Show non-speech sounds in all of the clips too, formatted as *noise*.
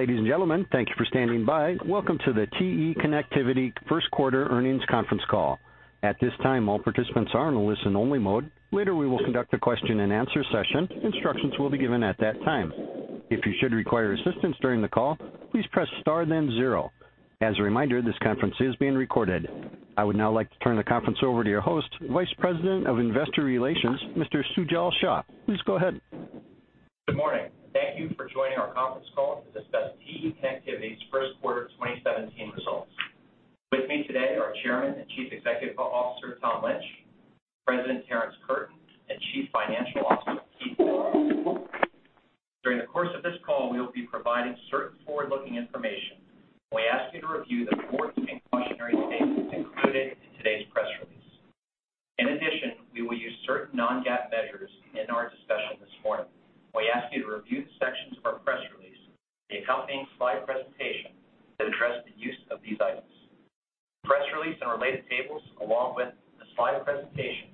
Ladies and gentlemen, thank you for standing by. Welcome to the TE Connectivity First Quarter Earnings Conference Call. At this time, all participants are in a listen-only mode. Later, we will conduct a question-and-answer session. Instructions will be given at that time. If you should require assistance during the call, please press star then zero. As a reminder, this conference is being recorded. I would now like to turn the conference over to your host, Vice President of Investor Relations, Mr. Sujal Shah. Please go ahead. Good morning. Thank you for joining our conference call to discuss TE Connectivity's first quarter 2017 results. With me today are Chairman and Chief Executive Officer Tom Lynch, President Terrence Curtin, and Chief Financial Officer Heath Mitts. During the course of this call, we will be providing certain forward-looking information. We ask you to review the forward-looking cautionary statements included in today's press release. In addition, we will use certain non-GAAP measures in our discussion this morning. We ask you to review the sections of our press release, the accompanying slide presentation, that address the use of these items. Press release and related tables, along with the slide presentation,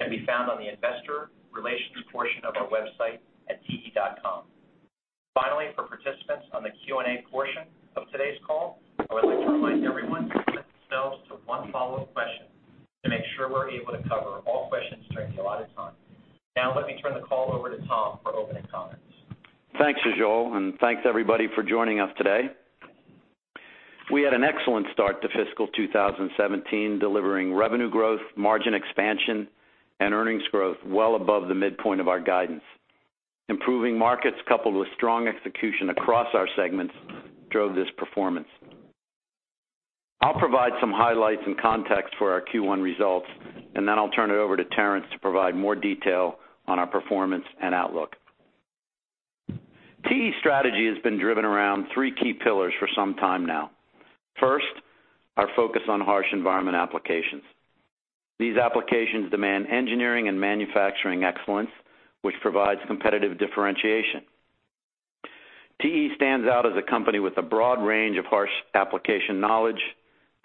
can be found on the investor relations portion of our website at te.com. Finally, for participants on the Q&A portion of today's call, I would like to remind everyone to limit themselves to one follow-up question to make sure we're able to cover all questions during the allotted time. Now, let me turn the call over to Tom for opening comments. Thanks, Sujal, and thanks, everybody, for joining us today. We had an excellent start to fiscal 2017, delivering revenue growth, margin expansion, and earnings growth well above the midpoint of our guidance. Improving markets, coupled with strong execution across our segments, drove this performance. I'll provide some highlights and context for our Q1 results, and then I'll turn it over to Terrence to provide more detail on our performance and outlook. TE strategy has been driven around three key pillars for some time now. First, our focus on harsh environment applications. These applications demand engineering and manufacturing excellence, which provides competitive differentiation. TE stands out as a company with a broad range of harsh application knowledge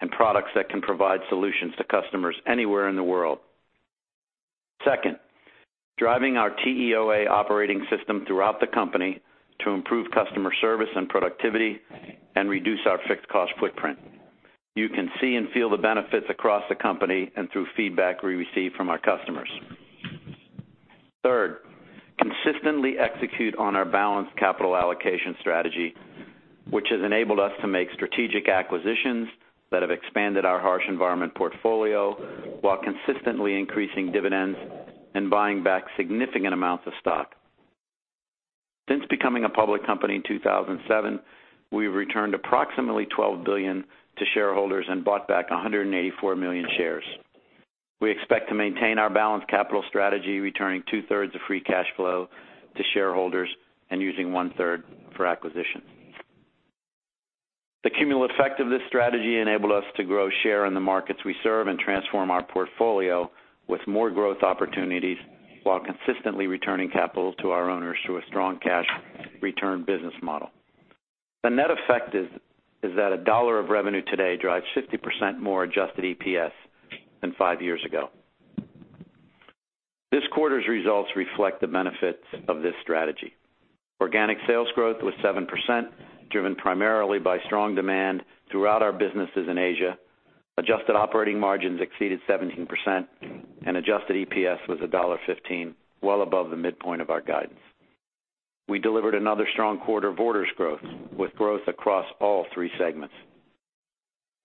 and products that can provide solutions to customers anywhere in the world. Second, driving our TEOA operating system throughout the company to improve customer service and productivity and reduce our fixed cost footprint. You can see and feel the benefits across the company and through feedback we receive from our customers. Third, consistently execute on our balanced capital allocation strategy, which has enabled us to make strategic acquisitions that have expanded our harsh environment portfolio, while consistently increasing dividends and buying back significant amounts of stock. Since becoming a public company in 2007, we've returned approximately $12 billion to shareholders and bought back 184 million shares. We expect to maintain our balanced capital strategy, returning 2/3 of free cash flow to shareholders and using 1/3 for acquisitions. The cumulative effect of this strategy enabled us to grow share in the markets we serve and transform our portfolio with more growth opportunities, while consistently returning capital to our owners through a strong cash return business model. The net effect is that a dollar of revenue today drives 50% more adjusted EPS than five years ago. This quarter's results reflect the benefits of this strategy. Organic sales growth was 7%, driven primarily by strong demand throughout our businesses in Asia. Adjusted operating margins exceeded 17% and adjusted EPS was $1.15, well above the midpoint of our guidance. We delivered another strong quarter of orders growth, with growth across all three segments.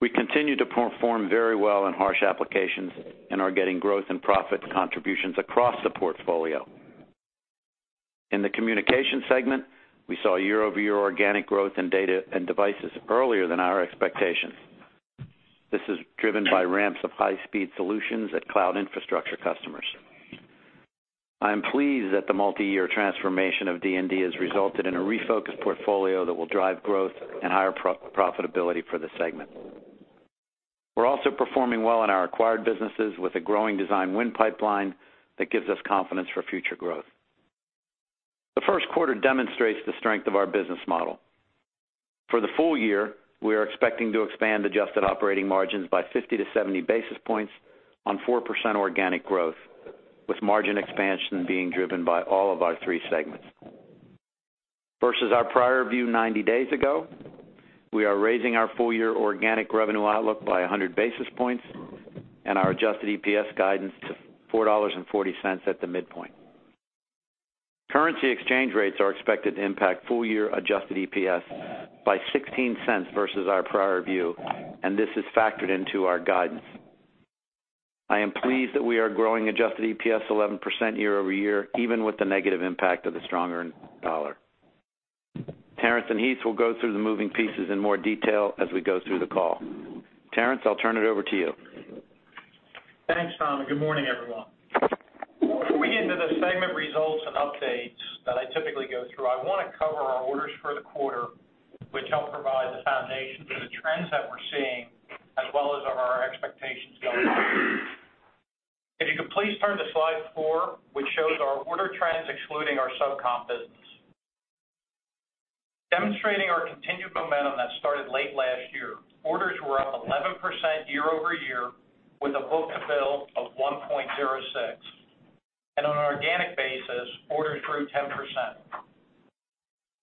We continue to perform very well in harsh applications and are getting growth and profit contributions across the portfolio. In the Communications segment, we saw year-over-year organic growth in Data and Devices earlier than our expectations. This is driven by ramps of High-Speed Solutions at Cloud Infrastructure customers. I am pleased that the multiyear transformation of D&D has resulted in a refocused portfolio that will drive growth and higher profitability for the segment. We're also performing well in our acquired businesses with a growing design win pipeline that gives us confidence for future growth. The first quarter demonstrates the strength of our business model. For the full-year, we are expecting to expand adjusted operating margins by 50-70 basis points on 4% organic growth, with margin expansion being driven by all of our three segments. Versus our prior view 90 days ago, we are raising our full-year organic revenue outlook by 100 basis points and our adjusted EPS guidance to $4.40 at the midpoint. Currency exchange rates are expected to impact full-year adjusted EPS by $0.16 versus our prior view, and this is factored into our guidance. I am pleased that we are growing adjusted EPS 11% year-over-year, even with the negative impact of the stronger dollar. Terrence and Heath will go through the moving pieces in more detail as we go through the call. Terrence, I'll turn it over to you. Thanks, Tom, and good morning, everyone. Before we get into the segment results and updates that I typically go through, I wanna cover our orders for the quarter, which help provide the foundation for the trends that we're seeing, as well as our expectations going forward. If you could please turn to slide four, which shows our order trends excluding our SubCom business. Demonstrating our continued momentum that started late last year, orders were up 11% year-over-year, with a book-to-bill of $1.06. And our organic basis, orders grew 10%.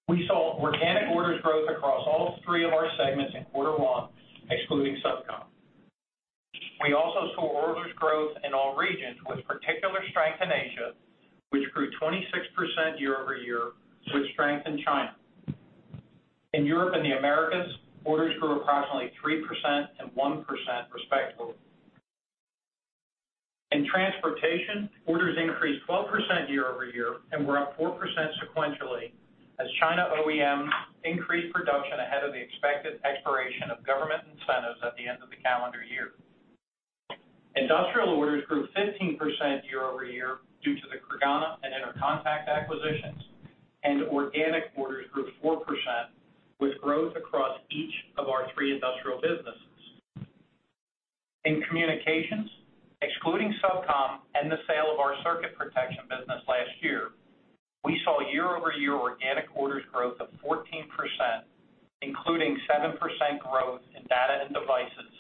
We saw organic orders growth across all three of our segments in quarter one, excluding SubCom. We also saw orders growth in all regions, with particular strength in Asia, which grew 26% year-over-year, with strength in China. In Europe and the Americas, orders grew approximately 3% and 1%, respectively. In transportation, orders increased 12% year-over-year and were up 4% sequentially, as China OEM increased production ahead of the expected expiration of government incentives at the end of the calendar year. Industrial orders grew 15% year-over-year due to the Creganna and Intercontec acquisitions, and organic orders grew 4%, with growth across each of our three industrial businesses. In Communications, excluding SubCom and the sale of our circuit protection business last year, we saw year-over-year organic orders growth of 14%, including 7% growth in Data and Devices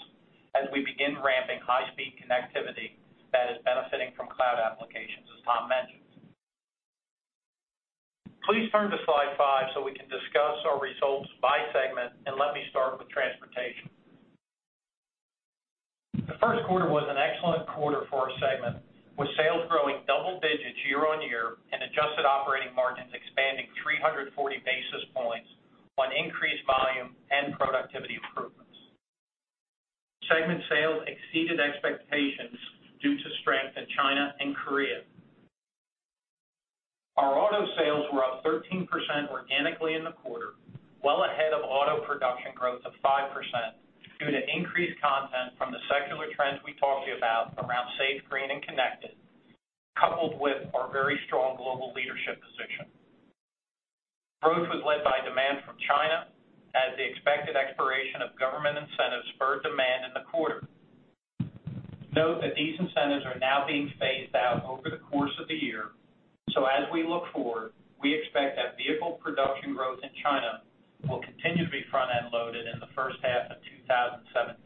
as we begin ramping high-speed connectivity that is benefiting from cloud applications, as Tom mentioned. Please turn to slide five, so we can discuss our results by segment, and let me start with Transportation. The first quarter was an excellent quarter for our segment, with sales growing double digits year-over-year and adjusted operating margins expanding 340 basis points on increased volume and productivity improvements. Segment sales exceeded expectations due to strength in China and Korea. Our auto sales were up 13% organically in the quarter, well ahead of auto production growth of 5%, due to increased content from the secular trends we talked to you about around safe, green, and connected, coupled with our very strong global leadership position. Growth was led by demand from China, as the expected expiration of government incentives spurred demand in the quarter. Note that these incentives are now being phased out over the course of the year, so as we look forward, we expect that vehicle production growth in China will continue to be front-end loaded in the first half of 2017.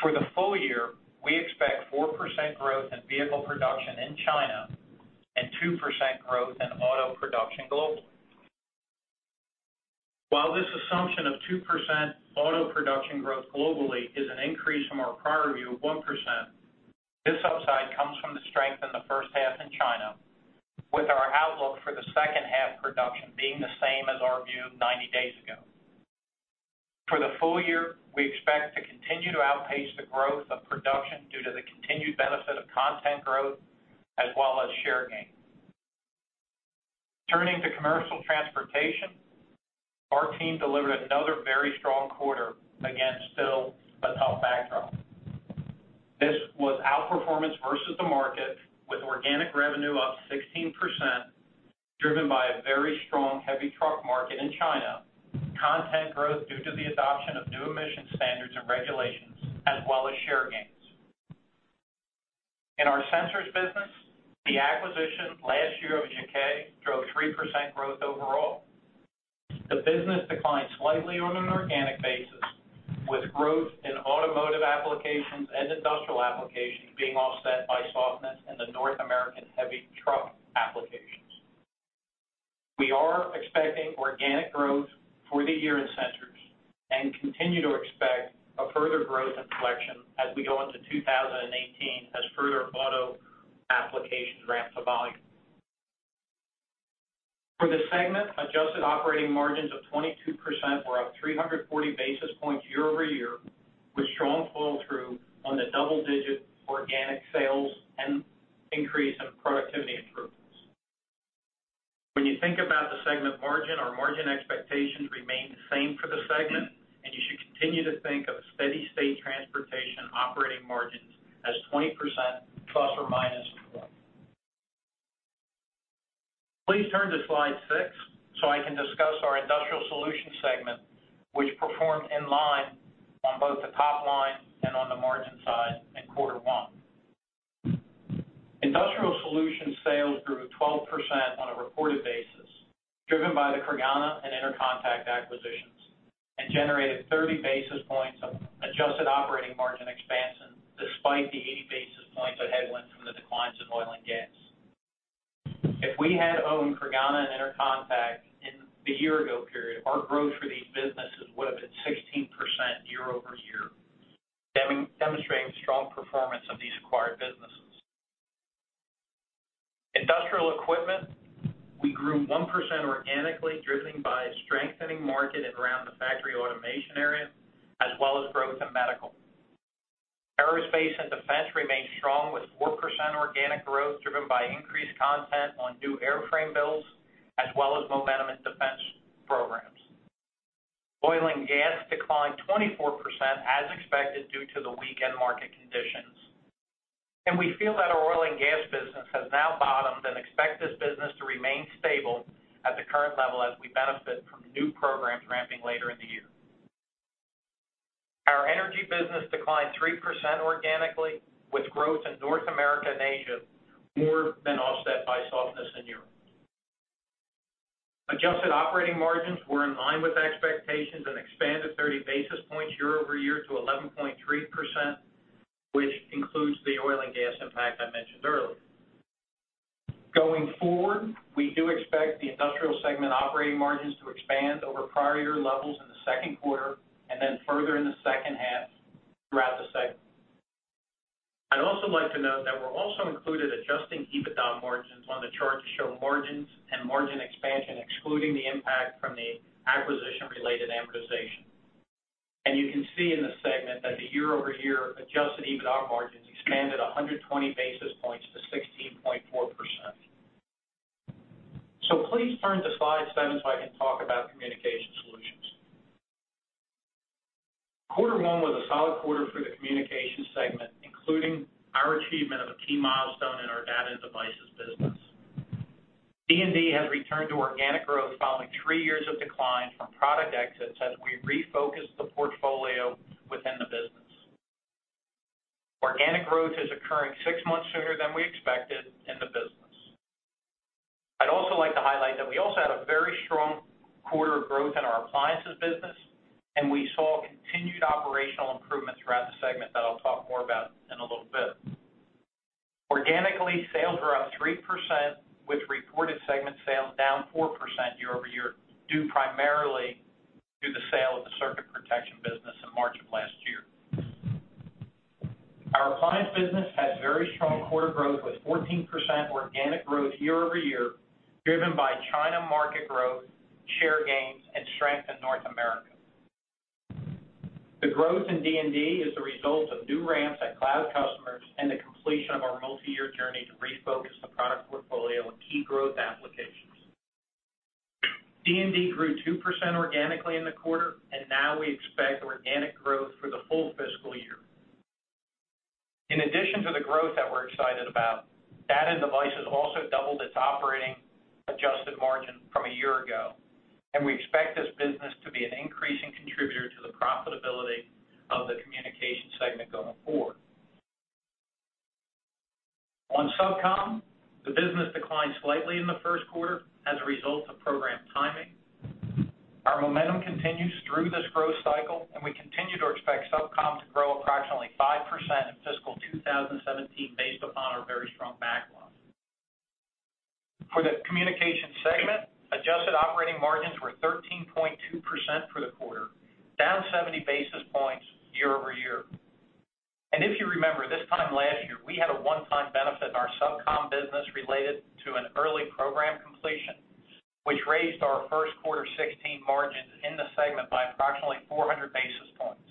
For the full-year, we expect 4% growth in vehicle production in China and 2% growth in auto production globally. While this assumption of 2% auto production growth globally is an increase from our prior view of 1%, this upside comes from the strength in the first half in China, with our outlook for the second half production being the same as our view 90 days ago. For the full-year, we expect to continue to outpace the growth of production due to the continued benefit of content growth as well as share gain. Turning to commercial transportation, our team delivered another very strong quarter against still a tough backdrop. This was outperformance versus the market, with organic revenue up 16%, driven by a very strong heavy truck market in China, content growth due to the adoption of new emission standards and regulations, as well as share gains. In our sensors business, the acquisition last year of JKE drove 3% growth overall. The business declined slightly on an organic basis, with growth in automotive applications and industrial applications being offset by softness in the North American heavy truck applications. We are expecting organic growth for the year in sensors and continue to expect a further growth in collection as we go into 2018, as further auto applications ramp to volume. For the segment, adjusted operating margins of 22% were up 340 basis points year-over-year, with strong pull-through on the double-digit organic sales and increase in productivity improvements. When you think about the segment margin, our margin expectations remain the same for the segment, and you should continue to think of steady-state transportation operating margins as 20% ±1. Please turn to slide six, so I can discuss our Industrial Solutions segment, which performed in line on both the top line and on the margin side in quarter one. Industrial Solutions sales grew 12% on a reported basis, driven by the Creganna and Intercontec acquisitions, and generated 30 basis points of adjusted operating margin expansion, despite the 80 basis points of headwind from the declines in Oil and Gas. If we had owned Creganna and Intercontec in the year-ago period, our growth for these businesses would have been 16% year-over-year, demonstrating strong performance of these acquired businesses. Industrial equipment, we grew 1% organically, driven by a strengthening market and around the factory automation area, as well as growth in medical. Aerospace and Defense remained strong, with 4% organic growth, driven by increased content on new airframe builds, as well as momentum in defense programs. Oil and gas declined 24% as expected, due to the weakened market conditions. We feel that our oil and gas business has now bottomed and expect this business to remain stable at the current level as we benefit from new programs ramping later in the year. Our energy business declined 3% organically, with growth in North America and Asia more than offset by softness in Europe. Adjusted operating margins were in line with expectations and expanded 30 basis points year-over-year to 11.3%, which includes the oil and gas impact I mentioned earlier. Going forward, we do expect the industrial segment operating margins to expand over prior year levels in the second quarter and then further in the second half throughout the segment. I'd also like to note that we're also including adjusted EBITDA margins on the chart to show margins and margin expansion, excluding the impact from the acquisition-related amortization. You can see in the segment that the year-over-year adjusted EBITDA margins expanded 100 basis points to 16.4%. Please turn to slide seven, so I can talk about Communications Solutions. Quarter one was a solid quarter for the Communications segment, including our achievement of a key milestone in our Data and Devices business. D&D has returned to organic growth following three years of decline from product exits as we refocused the portfolio within the business. Organic growth is occurring six months sooner than we expected in the business. I'd also like to highlight that we also had a very strong quarter of growth in our appliances business, and we saw continued operational improvement throughout the segment that I'll talk more about in a little bit. Organically, sales were up 3%, with reported segment sales down 4% year-over-year, due primarily to the sale of the circuit protection business in March of last year. Our appliance business had very strong quarter growth, with 14% organic growth year-over-year, driven by China market growth, share gains, and strength in North America. The growth in D&D is the result of new ramps at cloud customers and the completion of our multi-year journey to refocus the product portfolio on key growth applications. D&D grew 2% organically in the quarter, and now we expect organic growth for the full fiscal year. In addition to the growth that we're excited about, Data and Devices also doubled its operating adjusted margin from a year ago, and we expect this business to be an increasing contributor to the profitability of the communication segment going forward. On SubCom, the business declined slightly in the first quarter as a result of program timing. Our momentum continues through this growth cycle, and we continue to expect SubCom to grow approximately 5% in fiscal 2017, based upon our very strong backlog. For the communication segment, adjusted operating margins were 13.2% for the quarter, down 70 basis points year-over-year. And if you remember, this time last year, we had a one-time benefit in our SubCom business related to an early program completion, which raised our first quarter 2016 margins in the segment by approximately 400 basis points.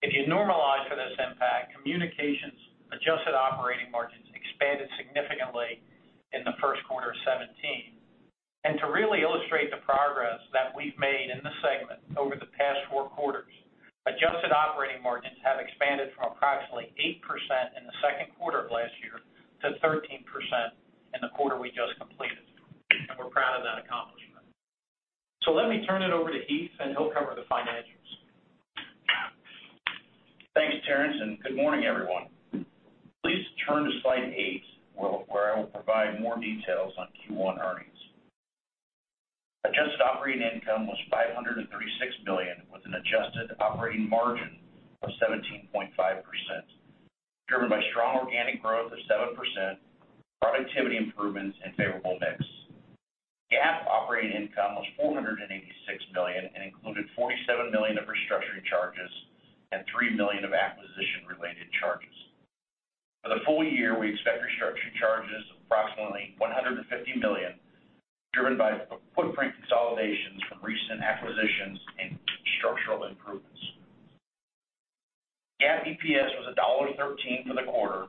If you normalize for this impact, communications adjusted operating margins expanded significantly in the first quarter of 2017. To really illustrate the progress that we've made in the segment over the past four quarters, adjusted operating margins have expanded from approximately 8% in the second quarter of last year to 13% in the quarter we just completed, and we're proud of that accomplishment. Let me turn it over to Heath, and he'll cover the financials. Thanks, Terrence, and good morning, everyone. Please turn to slide eight, where I will provide more details on Q1 earnings. Adjusted operating income was $536 million, with an adjusted operating margin of 17.5%, driven by strong organic growth of 7%, productivity improvements and favorable mix. GAAP operating income was $486 million and included $47 million of restructuring charges and $3 million of acquisition-related charges. For the full-year, we expect restructuring charges of approximately $150 million, driven by footprint consolidations from recent acquisitions and structural improvements. GAAP EPS was $1.13 for the quarter.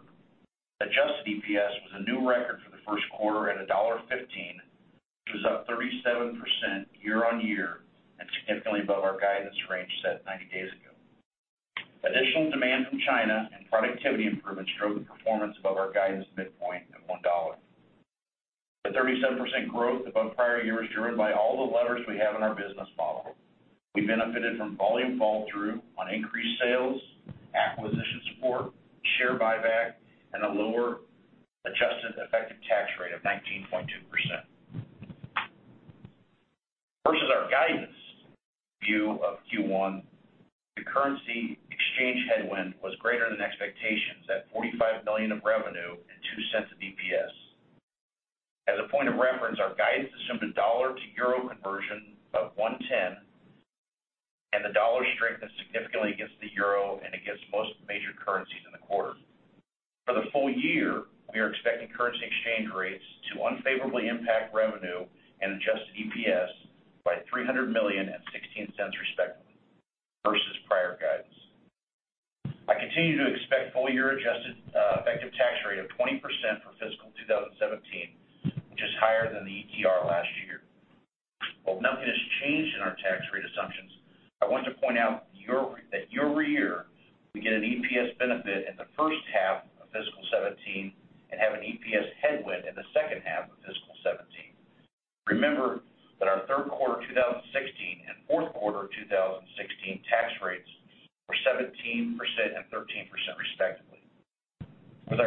Adjusted EPS was a new record for the first quarter at $1.15, which was up 37% year-on-year and significantly above our guidance range set 90 days ago. Additional demand from China and productivity improvements drove the performance above our guidance midpoint of $1. The 37% growth above prior year was driven by all the levers we have in our business model. We benefited from volume fall through on increased sales, acquisition support, share buyback, and a lower adjusted effective tax rate of 19.2%. Versus our guidance view of Q1, the currency exchange headwind was greater than expectations at $45 million of revenue and $0.02 of EPS. As a point of reference, our guidance assumed a dollar to euro conversion of 1.10, and the dollar strengthened significantly against the euro and against most major currencies in the quarter. For the full-year, we are expecting currency exchange rates to unfavorably impact revenue and adjusted EPS by $300 million and $0.16, respectively, versus prior guidance. I continue to expect full-year adjusted effective tax rate of 20% for fiscal 2017, which is higher than the ETR last year. While nothing has changed in our tax rate assumptions, I want to point out that year-over-year, we get an EPS benefit in the first half of fiscal 2017 and have an EPS headwind in the second half of fiscal 2017. Remember, 2016 and fourth quarter of 2016 tax rates were 17% and 13% respectively. With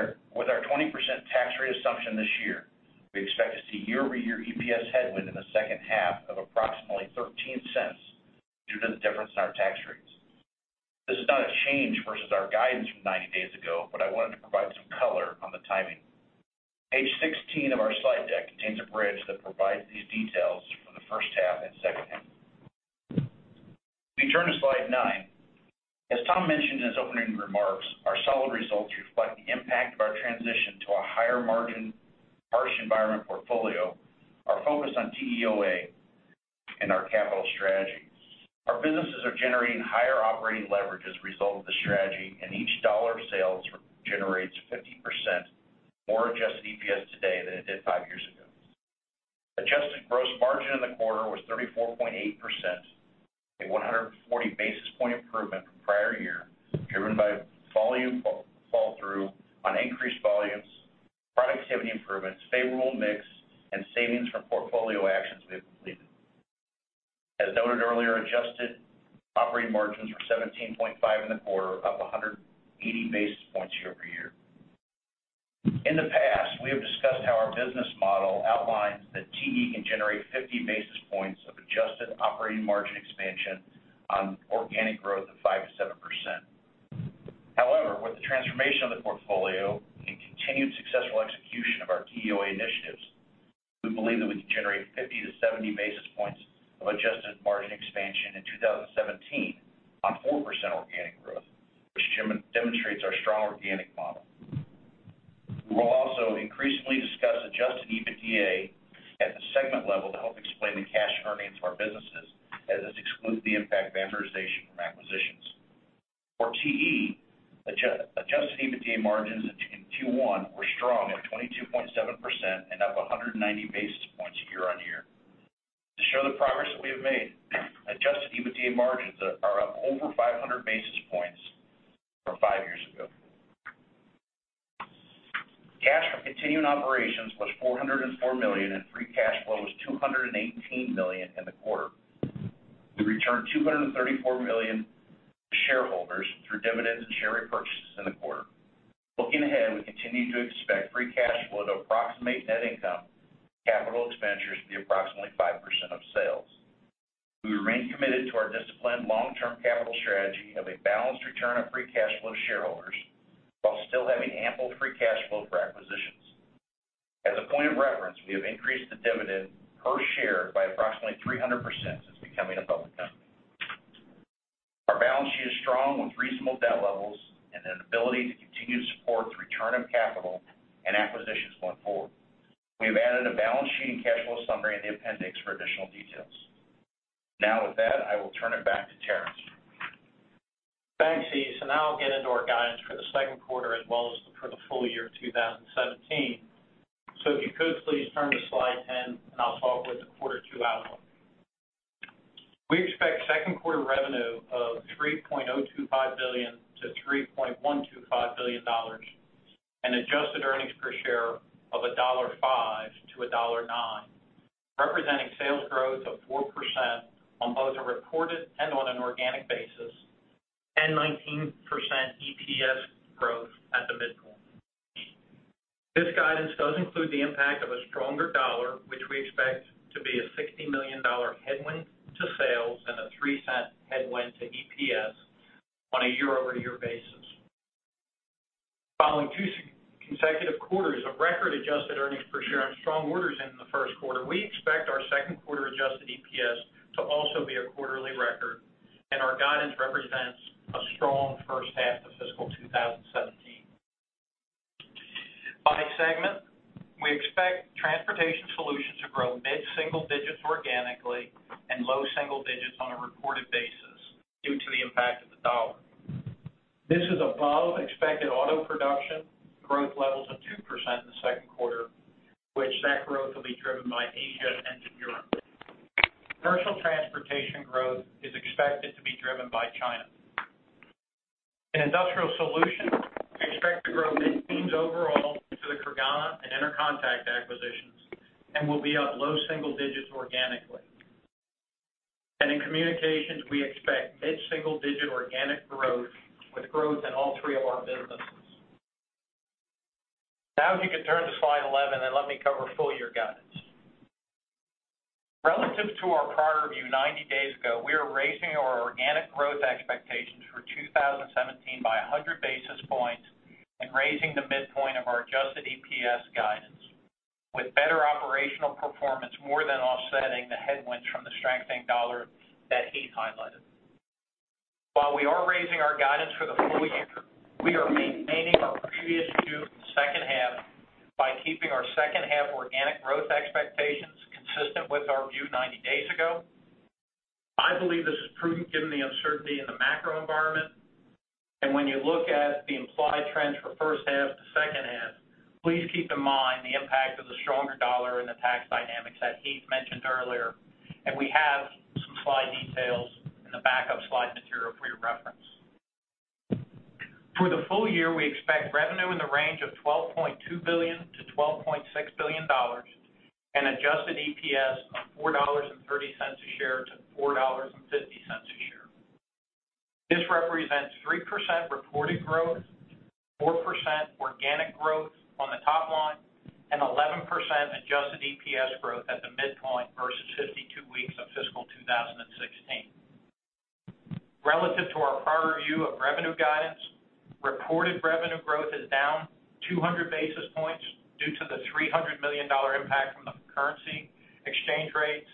our 20% tax rate assumption this year, we expect to see year-over-year EPS headwind in the second half of approximately $0.13 due to the difference in our tax rates. This is not a change versus our guidance from 90 days ago, but I wanted to provide some color on the timing. Page 16 of our slide deck contains a bridge that provides these details for the first half and second half. We turn to slide nine. As Tom mentioned in his opening remarks, our solid results reflect the impact of our transition to a higher margin, harsh environment portfolio, our focus on TEOA, and our capital strategy. Our businesses are generating higher operating leverage as a result of the strategy, and each dollar of sales generates 50% more adjusted EPS today than it did five years ago. Adjusted gross margin in the quarter was 34.8%, a 140 basis point improvement from prior year, driven by volume fall through on increased volumes, productivity improvements, favorable mix, and savings from portfolio actions we have completed. As noted earlier, adjusted operating margins were 17.5 in the quarter, up 180 basis points year-over-year. In the past, we have discussed how our business model outlines that TE can generate 50 basis points of adjusted operating margin expansion on organic growth of 5%-7%. However, with the transformation of the portfolio and continued successful execution of our TEOA initiatives, we believe that we can generate 50-70 basis points of adjusted margin expansion in 2017 on 4% organic growth, which demonstrates our strong organic model. We will also increasingly discuss adjusted EBITDA at the segment level to help explain the cash earnings of our businesses, as this excludes the impact of amortization from acquisitions. For TE, adjusted EBITDA margins in Q1 were strong at 22.7% and up 190 basis points year-on-year. To show the progress that we have made, adjusted EBITDA margins are up over 500 basis points from five years ago. Cash from continuing operations was $404 million, and free cash flow was $218 million in the quarter. We returned $234 million to shareholders through dividends and share repurchases in the quarter. Looking ahead, we continue to expect free cash flow to approximate net income, capital expenditures to be approximately 5% of sales. We remain committed to our disciplined long-term capital strategy of a balanced return of free cash flow to shareholders, while still having ample free cash flow for acquisitions. As a point of reference, we have increased the dividend per share by approximately 300% since becoming a public company. Our balance sheet is strong, with reasonable debt levels and an ability to continue to support the return of capital and acquisitions going forward. We have added a balance sheet and cash flow summary in the appendix for additional details. Now with that, I will turn it back to Terrence. Thanks, Heath. So now I'll get into our guidance for the second quarter as well as for the full-year 2017. So if you could please turn to slide 10, and I'll talk with the quarter two outlook. We expect second quarter revenue of $3.025 billion-$3.125 billion, and adjusted earnings per share of $1.05-$1.09, representing sales growth of 4% on both a reported and on an organic basis, and 19% EPS growth at the midpoint. This guidance does include the impact of a stronger dollar, which we expect to be a $60 million headwind to sales and a $0.03 headwind to EPS on a year-over-year basis. Following two consecutive quarters of record-adjusted earnings per share and strong orders in the first quarter, we expect our second quarter adjusted EPS to also be a quarterly record, and our guidance represents a strong first half of fiscal 2017. By segment, we expect Transportation Solutions to grow mid-single digits organically and low single digits on a reported basis due to the impact of the dollar. This is above expected auto production growth levels of 2% in the second quarter, which that growth will be driven by Asia and Europe. Commercial Transportation growth is expected to be driven by China. In Industrial Solutions, we expect to grow mid-single digits overall due to the Creganna and Intercontec acquisitions, and will be up low single digits organically. And in Communications Solutions, we expect mid-single digit organic growth, with growth in all three of our businesses. Now, if you could turn to slide 11, and let me cover full-year guidance. Relative to our prior review 90 days ago, we are raising our organic growth expectations for 2017 by 100 basis points and raising the midpoint of our adjusted EPS guidance, with better operational performance more than offsetting the headwinds from the strengthening dollar that Heath highlighted. While we are raising our guidance for the full-year, we are maintaining our previous view in the second half by keeping our second half organic growth expectations consistent with our view 90 days ago. I believe this is prudent given the uncertainty in the macro environment, and when you look at the implied trends for first half to second half, please keep in mind the impact of the stronger dollar and the tax dynamics that Heath mentioned earlier, and we have some slide details *inaudible* full-year, we expect revenue in the range of $12.2 billion-$12.6 billion, and adjusted EPS of $4.30-$4.50 a share. This represents 3% reported growth, 4% organic growth on the top line, and 11% adjusted EPS growth at the midpoint versus 52 weeks of fiscal 2016. Relative to our prior view of revenue guidance, reported revenue growth is down 200 basis points due to the $300 million impact from the currency exchange rates,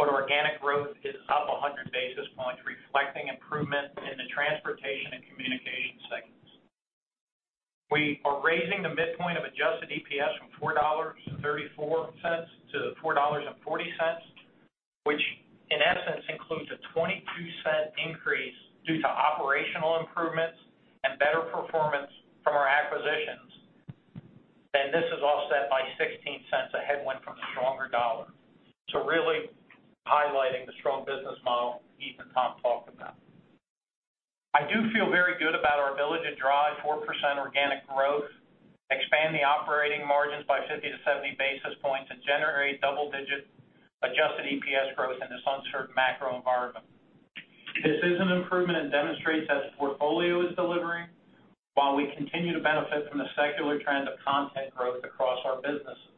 but organic growth is up 100 basis points, reflecting improvement in the Transportation and Communications segments. We are raising the midpoint of adjusted EPS from $4.34 to $4.40, which in essence includes a $0.22 increase due to operational improvements and better performance from our acquisitions. This is offset by a $0.16 headwind from stronger dollar. Really highlighting the strong business model Heath Mitts and Tom talked about. I do feel very good about our ability to drive 4% organic growth, expand the operating margins by 50-70 basis points, and generate double-digit adjusted EPS growth in this uncertain macro environment. This is an improvement and demonstrates that the portfolio is delivering, while we continue to benefit from the secular trend of content growth across our businesses.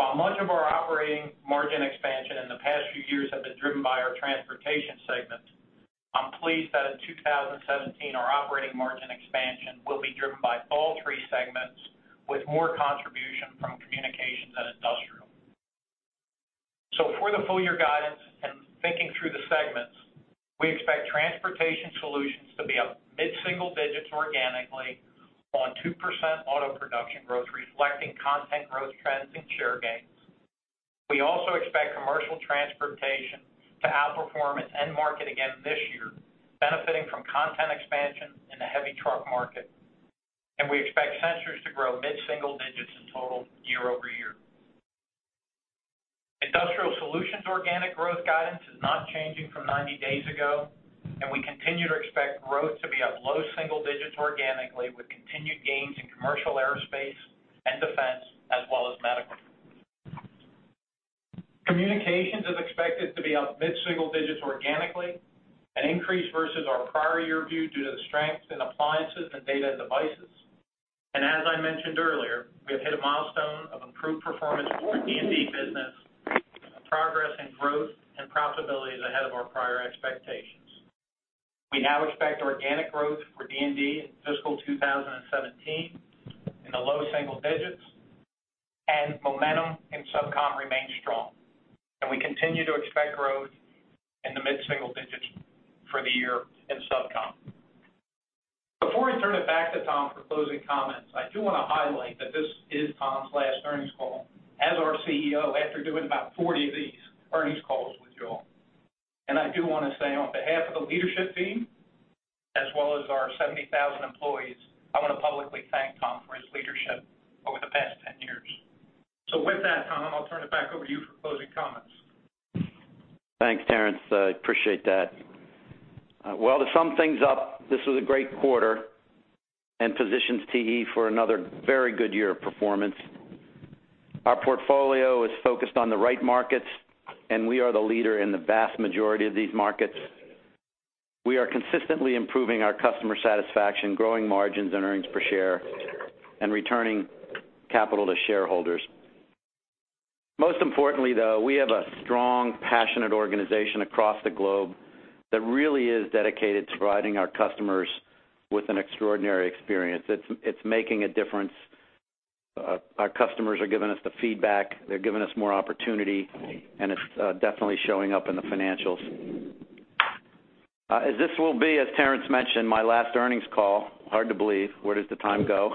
While much of our operating margin expansion in the past few years have been driven by our Transportation segment, I'm pleased that in 2017, our operating margin expansion will be driven by all three segments, with more contribution from Communications and Industrial. So for the full-year guidance and thinking through the segments, we expect Transportation Solutions to be up mid-single digits organically on 2% auto production growth, reflecting content growth trends and share gains. We also expect commercial transportation to outperform its end market again this year, benefiting from content expansion in the heavy truck market. And we expect Sensors to grow mid-single digits in total year-over-year. Industrial Solutions organic growth guidance is not changing from 90 days ago, and we continue to expect growth to be up low single digits organically, with continued gains in commercial aerospace and defense, as well as medical. Communications is expected to be up mid-single digits organically, an increase versus our prior year view due to the strength in appliances and data and devices. And as I mentioned earlier, we have hit a milestone of improved performance for our D&D business, progress and growth and profitability is ahead of our prior expectations. We now expect organic growth for D&D in fiscal 2017 in the low single digits, and momentum in SubCom remains strong. And we continue to expect growth in the mid-single digits for the year in SubCom. Before I turn it back to Tom for closing comments, I do want to highlight that this is Tom's last earnings call as our CEO, after doing about 40 of these earnings calls with you all. I do want to say, on behalf of the leadership team, as well as our 70,000 employees, I want to publicly thank Tom for his leadership over the past 10 years. With that, Tom, I'll turn it back over to you for closing comments. Thanks, Terrence. I appreciate that. Well, to sum things up, this was a great quarter and positions TE for another very good year of performance. Our portfolio is focused on the right markets, and we are the leader in the vast majority of these markets. We are consistently improving our customer satisfaction, growing margins and earnings per share, and returning capital to shareholders. Most importantly, though, we have a strong, passionate organization across the globe that really is dedicated to providing our customers with an extraordinary experience. It's making a difference. Our customers are giving us the feedback, they're giving us more opportunity, and it's definitely showing up in the financials. As this will be, as Terrence mentioned, my last earnings call, hard to believe, where does the time go?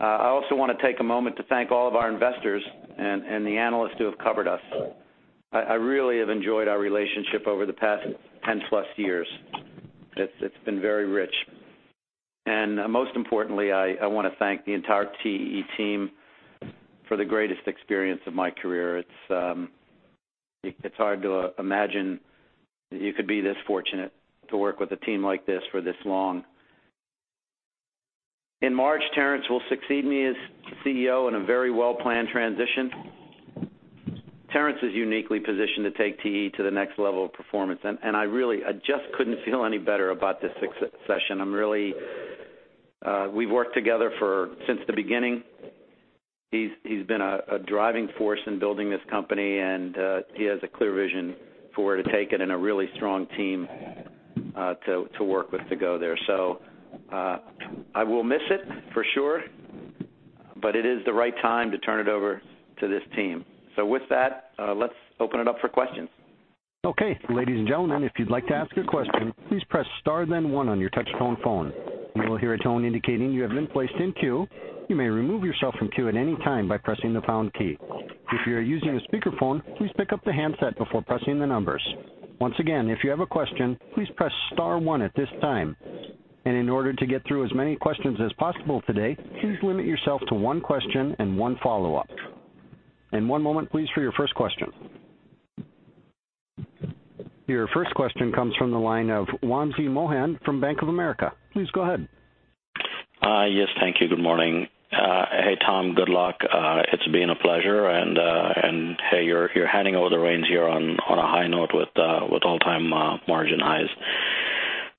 I also want to take a moment to thank all of our investors and the analysts who have covered us. I really have enjoyed our relationship over the past 10+ years. It's been very rich. And most importantly, I want to thank the entire TE team for the greatest experience of my career. It's hard to imagine that you could be this fortunate to work with a team like this for this long. In March, Terrence will succeed me as CEO in a very well-planned transition. Terrence is uniquely positioned to take TE to the next level of performance, and I really just couldn't feel any better about this succession. I'm really, we've worked together for, since the beginning. He's been a driving force in building this company, and he has a clear vision for where to take it and a really strong team to work with to go there. So I will miss it, for sure, but it is the right time to turn it over to this team. So with that, let's open it up for questions. Okay, ladies and gentlemen, if you'd like to ask a question, please press star then one on your touchtone phone. You will hear a tone indicating you have been placed in queue. You may remove yourself from queue at any time by pressing the pound key. If you are using a speakerphone, please pick up the handset before pressing the numbers. Once again, if you have a question, please press star one at this time. And in order to get through as many questions as possible today, please limit yourself to one question and one follow-up. One moment, please, for your first question. .Your first question comes from the line of Wamsi Mohan from Bank of America. Please go ahead. Yes, thank you. Good morning. Hey, Tom, good luck. It's been a pleasure, and, hey, you're handing over the reins here on a high note with all-time margin highs.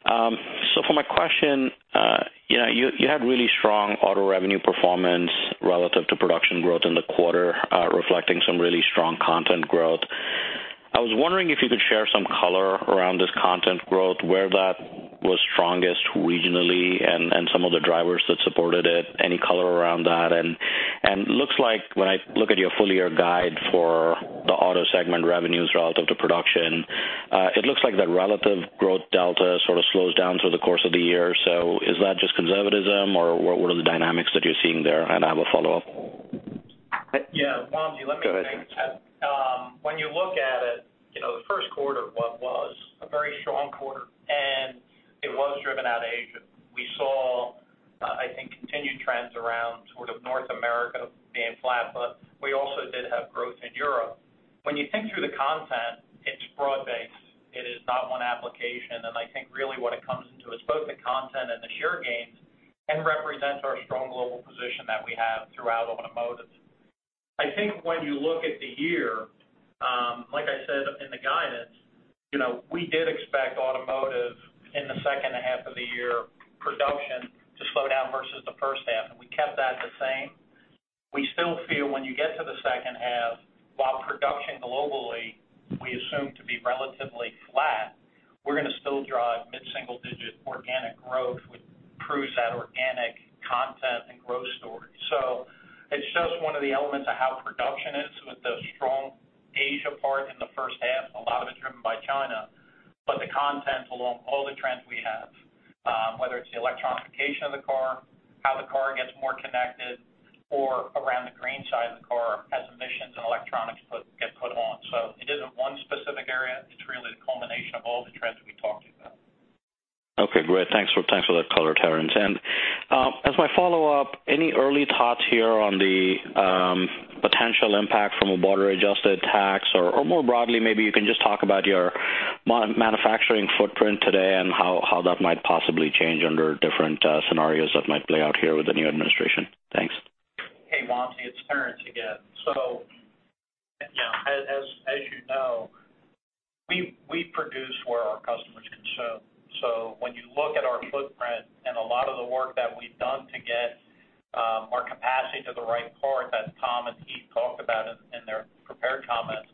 So for my question, you know, you had really strong auto revenue performance relative to production growth in the quarter, reflecting some really strong content growth. I was wondering if you could share some color around this content growth, where that was strongest regionally and some of the drivers that supported it, any color around that? And looks like when I look at your full-year guide for the auto segment revenues relative to production, it looks like the relative growth delta sort of slows down through the course of the year. So is that just conservatism, or what, what are the dynamics that you're seeing there? And I have a follow-up. Yeah, Wamsi, let me take that. Go ahead. When you look at it, you know, the first quarter was a very strong quarter, and it was driven out of Asia. We saw, I think, continued trends around sort of North America being flat, but we also did have growth in Europe. When you think through the content, it's broad-based. It is not one application, and I think really what it comes into is both the content and the share gains and represents our strong global position that we have throughout automotive. I think when you look at the year, like I said in the guidance, you know, we did expect automotive in the second half of the year, production to slow down versus the first half, and we kept that the same. We still feel when you get to the second half, while production globally, we assume to be relatively flat, we're gonna still drive mid-single-digit organic growth, which proves that organic content and growth story. So it's just one of the elements of how production is with the strong Asia part in the first half, a lot of it driven by China, but the content along all the trends we have, whether it's the electrification of the car, how the car gets more connected, or around the green side of the car as emissions and electronics get put on. So it isn't one specific area, it's really the culmination of all the trends that we talked about. Okay, great. Thanks for ,thanks for that color, Terrence. And, as my follow-up, any early thoughts here on the potential impact from a border-adjusted tax? Or, or more broadly, maybe you can just talk about your manufacturing footprint today and how, how that might possibly change under different scenarios that might play out here with the new administration. Thanks. Hey, Wamsi, it's Terrence again. So, you know, as you know, we produce where our customers consume. So when you look at our footprint and a lot of the work that we've done to get our capacity to the right part, that Tom and Keith talked about in their prepared comments,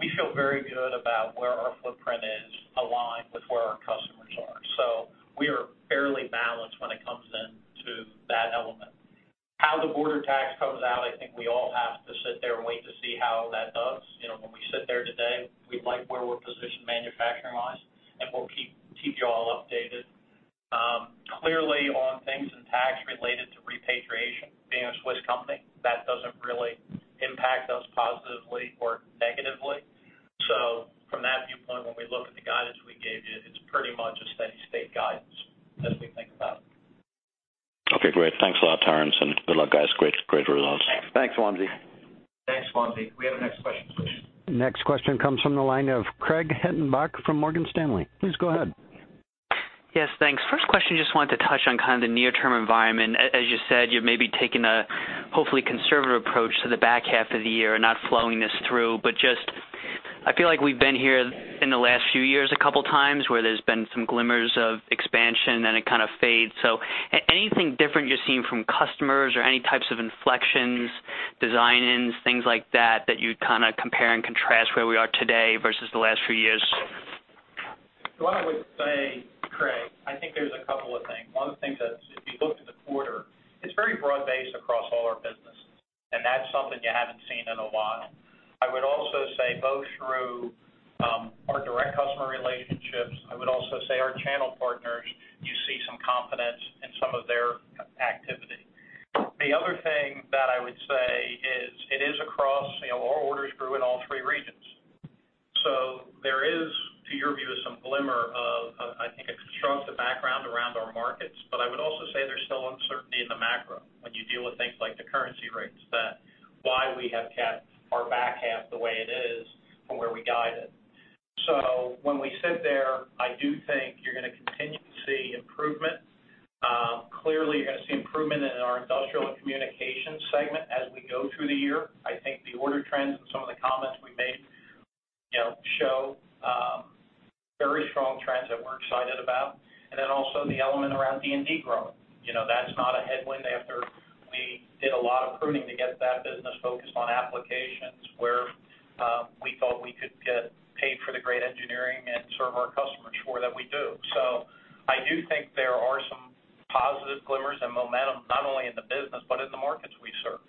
we feel very good about where our footprint is aligned with where our customers are. So we are fairly balanced when it comes in to that element. How the border tax comes out, I think we all have to sit there and wait to see how that does. You know, when we sit there today, we like where we're positioned manufacturing-wise, and we'll keep you all updated. Clearly, on things in tax related to repatriation, being a Swiss company, that doesn't really impact us positively or negatively. From that viewpoint, when we look at the guidance we gave you, it's pretty much a steady state guidance as we think about it. Okay, great. Thanks a lot, Terrence, and good luck, guys. Great, great results. Thanks. Thanks, Wamsi. Thanks, Wamsi. Can we have the next question, please? Next question comes from the line of Craig Hettenbach from Morgan Stanley. Please go ahead. Yes, thanks. First question, just wanted to touch on kind of the near-term environment. As you said, you're maybe taking a hopefully conservative approach to the back half of the year and not flowing this through. But just, I feel like we've been here in the last few years, a couple times, where there's been some glimmers of expansion and it kind of fades. So anything different you're seeing from customers or any types of inflections, design-ins, things like that, that you'd kind of compare and contrast where we are today versus the last few years? So I would say, Craig, I think there's a couple of things. One of the things that if you look at the quarter, it's very broad-based across all our businesses, and that's something you haven't seen in a while. I would also say, both through our direct customer relationships, I would also say our channel partners, you see some confidence in some of their activity. The other thing that I would say is, it is across, you know, our orders grew in all three regions. So there is, to your view, some glimmer of, I think, a constructive background around our markets. But I would also say there's still uncertainty in the macro when you deal with things like the currency rates, that's why we have kept our back half the way it is from where we guided. So when we sit there, I do think you're gonna continue to see improvement. Clearly, you're gonna see improvement in our industrial and communications segment as we go through the year. I think the order trends and some of the comments we made, you know, show very strong trends that we're excited about. And then also the element around D&D growth. You know, that's not a headwind after we did a lot of pruning to get that business focused on applications where we thought we could get paid for the great engineering and serve our customers for that we do. So I do think there are some positive glimmers and momentum, not only in the business, but in the markets we serve.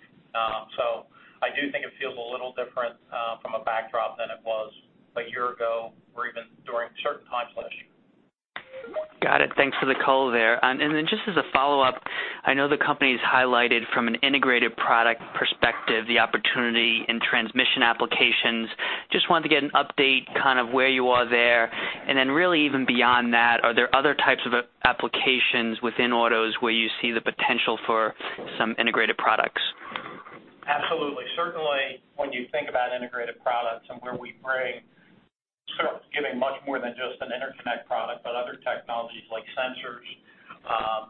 So I do think it feels a little different from a backdrop than it was a year ago or even during certain times last year. Got it. Thanks for the color there. And then just as a follow-up, I know the company's highlighted from an integrated product perspective, the opportunity in transmission applications. Just wanted to get an update, kind of where you are there. And then really even beyond that, are there other types of applications within autos where you see the potential for some integrated products? Certainly, when you think about integrated products and where we bring, sort of, giving much more than just an interconnect product, but other technologies like sensors,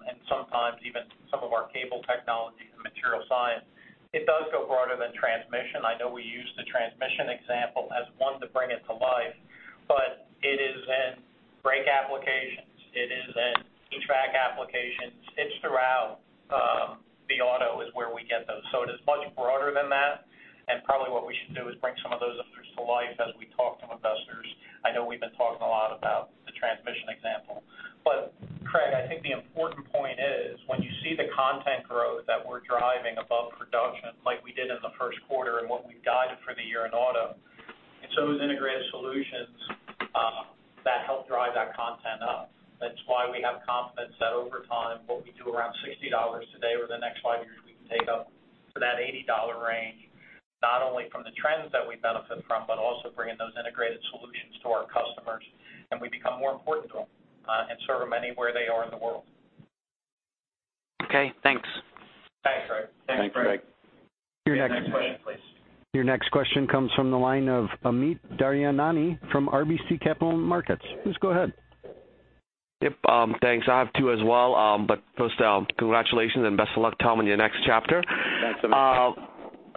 and sometimes even some of our cable technology and material science, it does go broader than transmission. I know we use the transmission example as one to bring it to life, but it is in brake applications, it is in e-track applications. It's throughout, the auto is where we get those. So it is much broader than that, and probably what we should do is bring some of those others to life as we talk to investors. I know we've been talking a lot about the transmission example, but Craig, I think the important point is, when you see the content growth that we're driving above production like we did in the first quarter and what we've guided for the year in auto, it's those integrated solutions that help drive that content up. That's why we have confidence that over time, what we do around $60 today, over the next five years, we can take up to that $80 range, not only from the trends that we benefit from, but also bringing those integrated solutions to our customers, and we become more important to them, and serve them anywhere they are in the world. Okay, thanks. Thanks, Craig. Thanks, Craig. Your next question, please. Your next question comes from the line of Amit Daryanani from RBC Capital Markets. Please go ahead. Yep, thanks. I have two as well, but first, congratulations and best of luck, Tom, on your next chapter. Thanks, Amit.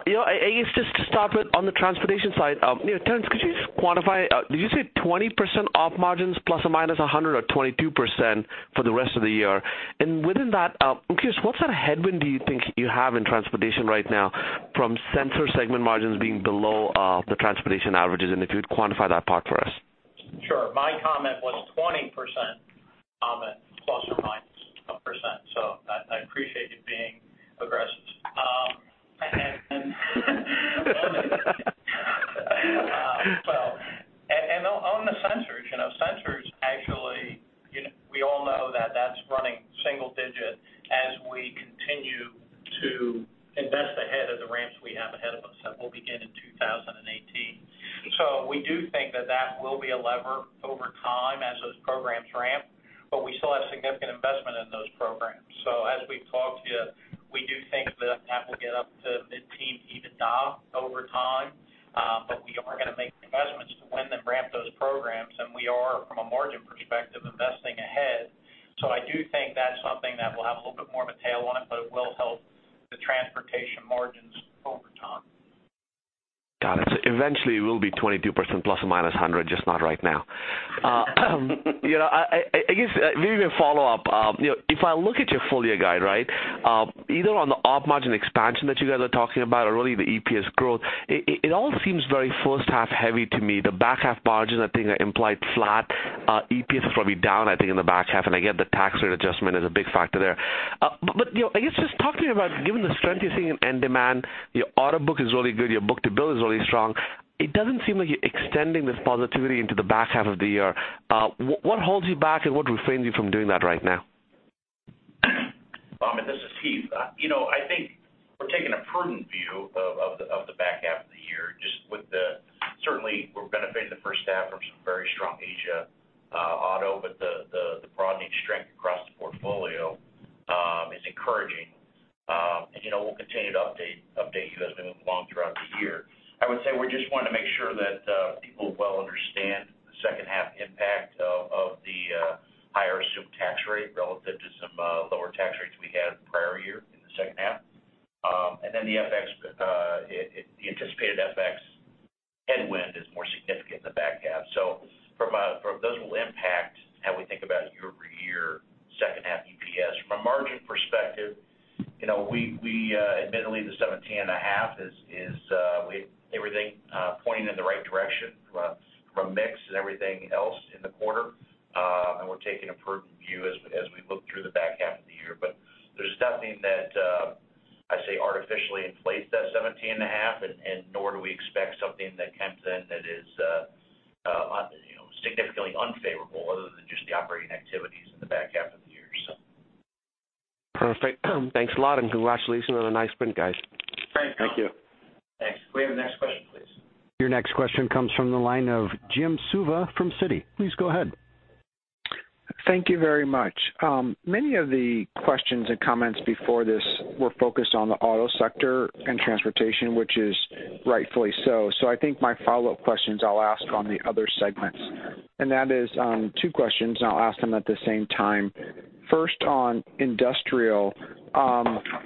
You know, I guess, just to start with on the transportation side, you know, Terrence, could you just quantify, did you say 20% op margins plus or minus 100 or 22% for the rest of the year? And within that, I'm curious, what sort of headwind do you think you have in transportation right now from sensor segment margins being below the transportation averages? And if you would quantify that part for us. Sure. My comment was 20%, plus or minus a percent, so I, I appreciate you being aggressive. And well, on the sensors, you know, sensors, actually, you know, we all know that that's running single digit as we continue to invest ahead of the ramps we have ahead of us that will begin in 2018. So we do think that that will be a lever over time as those programs ramp, but we still have significant investment in those programs. So as we've talked to you, we do think that that will get up to mid-teen EBITDA over time, but we are gonna make the investments to win and ramp those programs, and we are, from a margin perspective, investing ahead. So I do think that's something that will have a little bit more of a tail on it, but it will help the transportation margins over time. Got it. So eventually, it will be 22% ±100, just not right now. You know, I guess, maybe a follow-up. You know, if I look at your full-year guide, right? Either on the op margin expansion that you guys are talking about or really the EPS growth, it all seems very first half heavy to me. The back half margins, I think, are implied flat. EPS is probably down, I think, in the back half, and I get the tax rate adjustment is a big factor there. But, you know, I guess just talk to me about, given the strength you're seeing in end demand, your order book is really good, your book-to-bill is really strong. It doesn't seem like you're extending this positivity into the back half of the year. What holds you back, and what refrains you from doing that right now? Amit, this is Heath. You know, I think we're taking a prudent view of the back half of the year, just with the certainly, we're benefiting the first half from some very strong Asia auto, but the broadening strength across the portfolio is encouraging. And, you know, we'll continue to update you as we move along throughout the year. I would say we just wanted to make sure that people well understand the second half impact of the higher assumed tax rate relative to some lower tax rates we had the prior year in the second half. And then the FX, the anticipated FX headwind is more significant in the back half. So from a those will impact how we think about year-over-year second half EPS. From a margin perspective, you know, we admittedly, the 17.5 is everything pointing in the right direction from a mix and everything else in the quarter. And we're taking a prudent view as we look through the back half of the year. But there's nothing that I'd say artificially inflates that 17.5, and nor do we expect something that comes in that is, you know, significantly unfavorable other than just the operating activities in the back half of the year, so. Perfect. Thanks a lot, and congratulations on a nice win, guys. Thanks. Thank you. Thanks. Can we have the next question, please? Your next question comes from the line of Jim Suva from Citi. Please go ahead. Thank you very much. Many of the questions and comments before this were focused on the auto sector and transportation, which is rightfully so. So I think my follow-up questions I'll ask on the other segments, and that is, two questions, and I'll ask them at the same time. First, on industrial,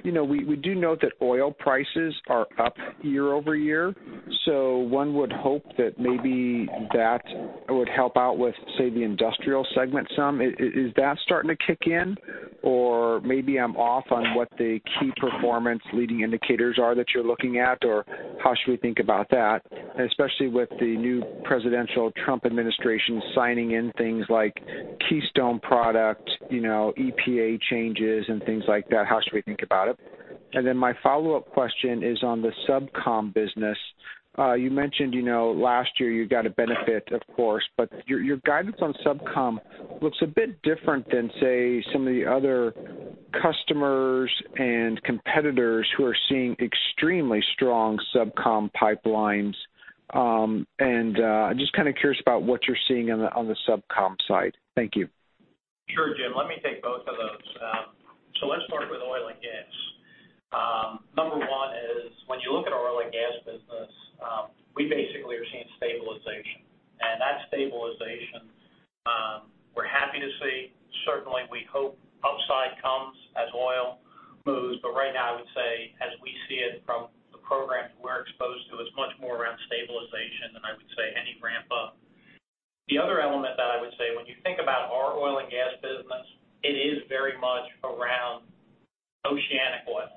you know, we do note that oil prices are up year-over-year, so one would hope that maybe that would help out with, say, the industrial segment some. Is that starting to kick in? Or maybe I'm off on what the key performance leading indicators are that you're looking at, or how should we think about that? And especially with the new presidential Trump administration signing in things like Keystone product, you know, EPA changes and things like that, how should we think about it? And then my follow-up question is on the SubCom business. You mentioned, you know, last year you got a benefit, of course, but your, your guidance on SubCom looks a bit different than, say, some of the other customers and competitors who are seeing extremely strong SubCom pipelines. And, I'm just kind of curious about what you're seeing on the, on the SubCom side. Thank you. Sure, Jim, let me take both of those. So let's start with oil and gas. Number one is, when you look at our oil and gas business, we basically are seeing stabilization. And that stabilization, we're happy to see. Certainly, we hope upside comes as oil moves, but right now I would say, as we see it from the programs we're exposed to, it's much more around stabilization than I would say any ramp up. The other element that I would say, when you think about our oil and gas business, it is very much around oceanic oil.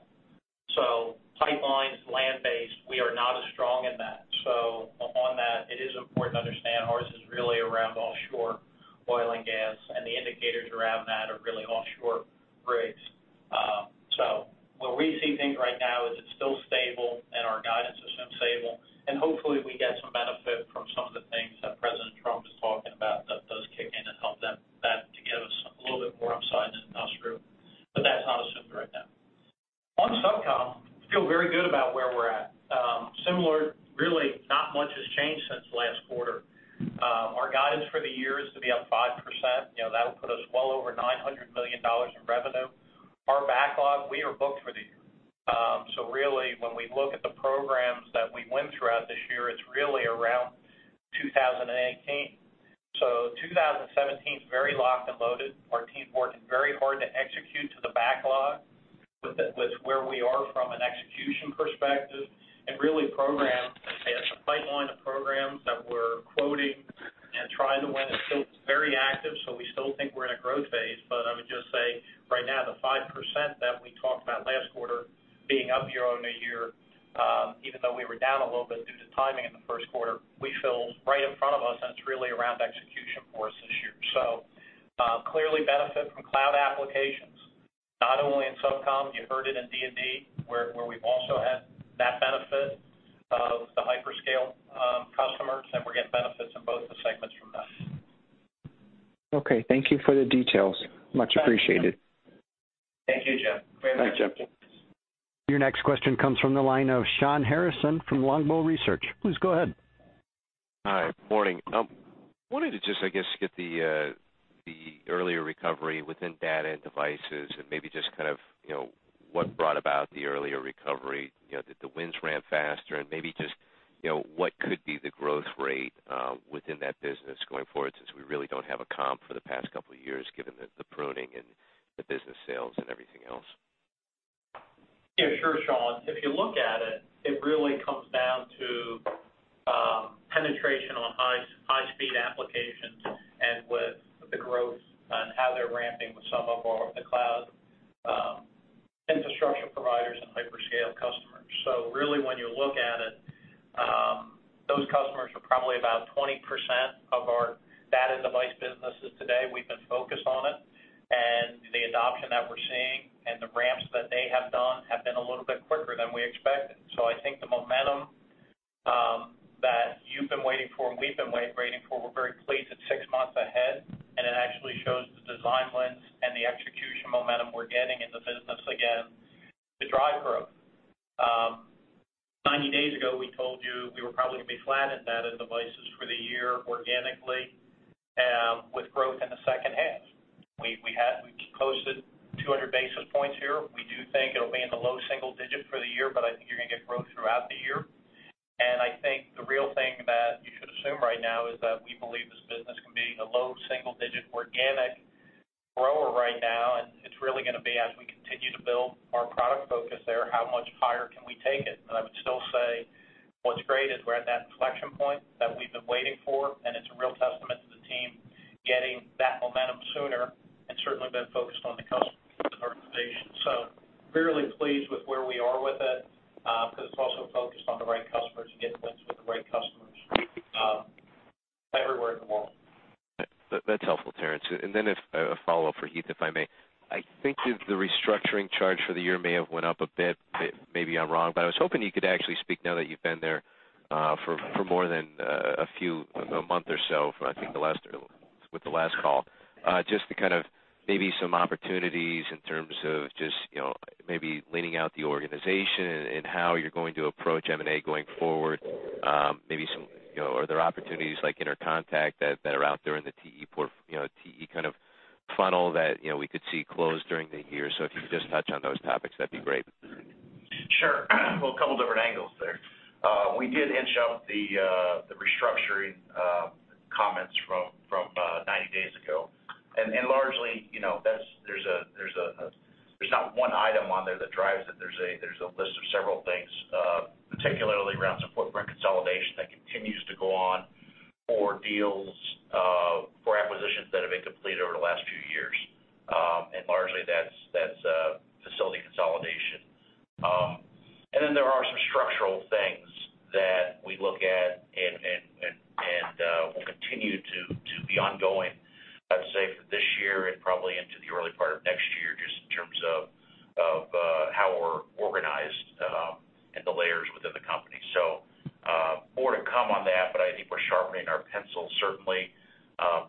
So pipelines, land-based, we are not as strong in that. So on that, it is important to understand ours is really around offshore oil and gas, and the indicators around that are really offshore rigs. So where we see things right now is it's still stable and our guidance is still stable, and hopefully, we get some benefit from some of the things that President Trump is talking about, that those kick in and help them, that to give us a little bit more upside in the industry. But that's not assumed right now. On SubCom, feel very good about where we're at. Similar, really, not much has changed since last quarter. Our guidance for the year is to be up 5%, you know, that will put us well over $900 million in revenue. Our backlog, we are booked for the year. So really, when we look at the programs that we win throughout this year, it's really around 2018. So 2017 is very locked and loaded. Our team's working very hard to execute to the backlog with where we are from an execution perspective, and really program, I'd say, it's a pipeline of programs that we're quoting and trying to win. It's still very active, so we still think we're in a growth phase, but I would just say right now, the 5% that we talked about last quarter, being up year-over-year, even though we were down a little bit due to timing in the first quarter, we feel right in front of us, and it's really around execution for us this year. So, clearly benefit from cloud applications, not only in SubCom, you heard it in D&D, where we've also had that benefit of the hyperscale customers, and we're getting benefits in both the segments from this. Okay, thank you for the details. Much appreciated. Thank you, Jim. Thanks, Jim. Your next question comes from the line of Sean Harrison from Longbow Research. Please go ahead. Hi, good morning. Wanted to just, I guess, get the earlier recovery within Data and Devices and maybe just kind of, you know, what brought about the earlier recovery? You know, did the wins ran faster? And maybe just, you know, what could be the growth rate within that business going forward, since we really don't have a comp for the past couple of years, given the pruning and the business sales and everything else? Yeah, sure, Sean. If you look at it, it really comes down to penetration on high-speed applications and with the growth on how they're ramping with some of our the cloud infrastructure providers and hyperscale customers. So really, when you look at it, those customers are probably about 20% of our Data and Devices businesses today. We've been focused on it, and the adoption that we're seeing and the ramps that they have done have been a little bit quicker than we expected. So I think the momentum that you've been waiting for and we've been waiting for, we're very pleased it's six months ahead, and it actually shows the design wins and the execution momentum we're getting in the business again to drive growth. 90 days ago, we told you we were probably gonna be flat in Data and Devices for the year organically, with growth in the second half. We posted 200 basis points here. We do think it'll be in the low single digits for the year, but I think you're gonna get growth throughout the year. And I think the real thing that you should assume right now is that we believe this business can be a low single digit organic grower right now, and it's really gonna be as we continue to build our product focus there, how much higher can we take it? But I would still say, what's great is we're at that inflection point that we've been waiting for, and it's a real testament to the team getting that momentum sooner and certainly been focused on the customer organization. So really pleased with where we are with it, because it's also focused on the right customers and getting wins with the right customers, everywhere in the world. That's helpful, Terrence. And then, if I may, a follow-up for Heath. I think that the restructuring charge for the year may have went up a bit, maybe I'm wrong, but I was hoping you could actually speak now that you've been there for more than a few, a month or so, I think the last with the last call. Just to kind of maybe some opportunities in terms of just, you know, maybe leaning out the organization and how you're going to approach M&A going forward. Maybe some, you know, are there opportunities like Intercontec that are out there in the TE portfolio, you know, TE kind of funnel that, you know, we could see close during the year? So if you could just touch on those topics, that'd be great. Sure. Well, a couple of different angles there. We did inch up the restructuring comments from 90 days ago. And largely, you know, that's. There's not one item on there that drives it. There's a list of several things, particularly around some footprint consolidation that continues to go on for deals for acquisitions that have been completed over the last few years. And largely, that's facility consolidation. And then there are some structural things that we look at and will continue to be ongoing, I'd say for this year and probably into the early part of next year, just in terms of how we're organized and the layers within the company. So, more to come on that, but I think we're sharpening our pencils, certainly.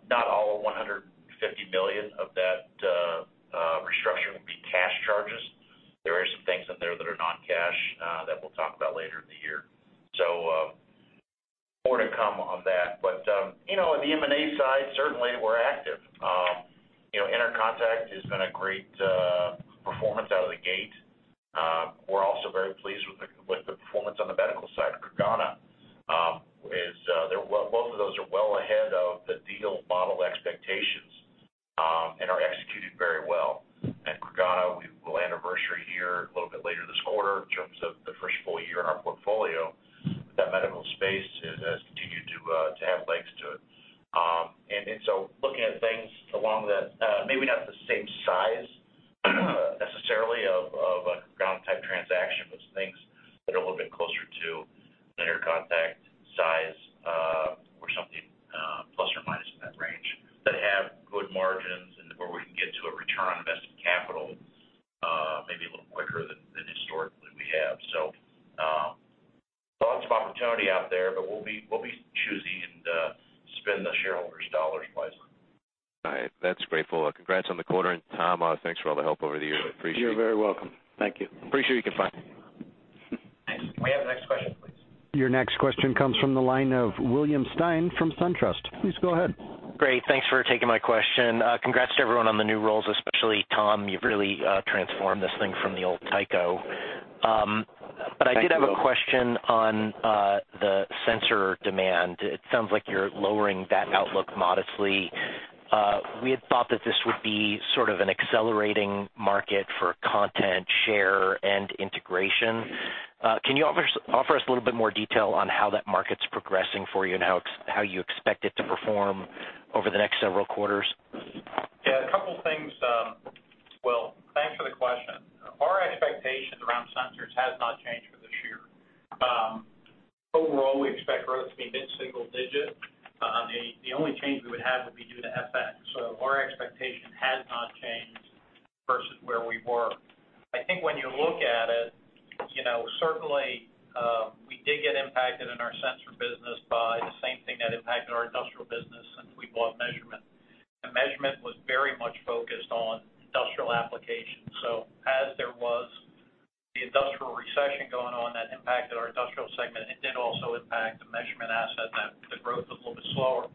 Not all $150 million of that. But, you know, on the M&A side, certainly we're active. You know, Intercontec has been a great performance out of the gate. We're also very pleased with the performance on the medical side. Creganna is, they're well, both of those are well ahead of the deal model expectations, and are executing very well. And Creganna, we will anniversary here a little bit later this quarter in terms of the first full-year in our portfolio. That medical space has continued to have legs to it. So looking at things along that, maybe not the same size, necessarily, of a Creganna-type transaction, but some things that are a little bit closer to Intercontec size, or something, plus or minus in that range, that have good margins and where we can get to a return on invested capital, maybe a little quicker than historically we have. So, lots of opportunity out there, but we'll be choosy and spend the shareholders' dollars wisely. All right. That's great. Well, congrats on the quarter, and Tom, thanks for all the help over the years. I appreciate it. You're very welcome. Thank you. Appreciate your time. Thanks. May we have the next question, please? Your next question comes from the line of William Stein from SunTrust. Please go ahead. Great. Thanks for taking my question. Congrats to everyone on the new roles, especially Tom. You've really transformed this thing from the old Tyco. But I did Thank you. Have a question on the sensor demand. It sounds like you're lowering that outlook modestly. We had thought that this would be sort of an accelerating market for content, share, and integration. Can you offer us, offer us a little bit more detail on how that market's progressing for you and how it's- how you expect it to perform over the next several quarters? Yeah, a couple things. Well, thanks for the question. Our expectations around sensors has not changed for this year. Overall, we expect growth to be mid-single digit. The only change we would have would be due to FX. So our expectation has not changed versus where we were. I think when you look at it, you know, certainly, we did get impacted in our sensor business by the same thing that impacted our industrial business since we bought Measurement. And Measurement was very much focused on industrial applications. So as there was the industrial recession going on that impacted our industrial segment, it did also impact the Measurement asset that the growth was a little bit slower.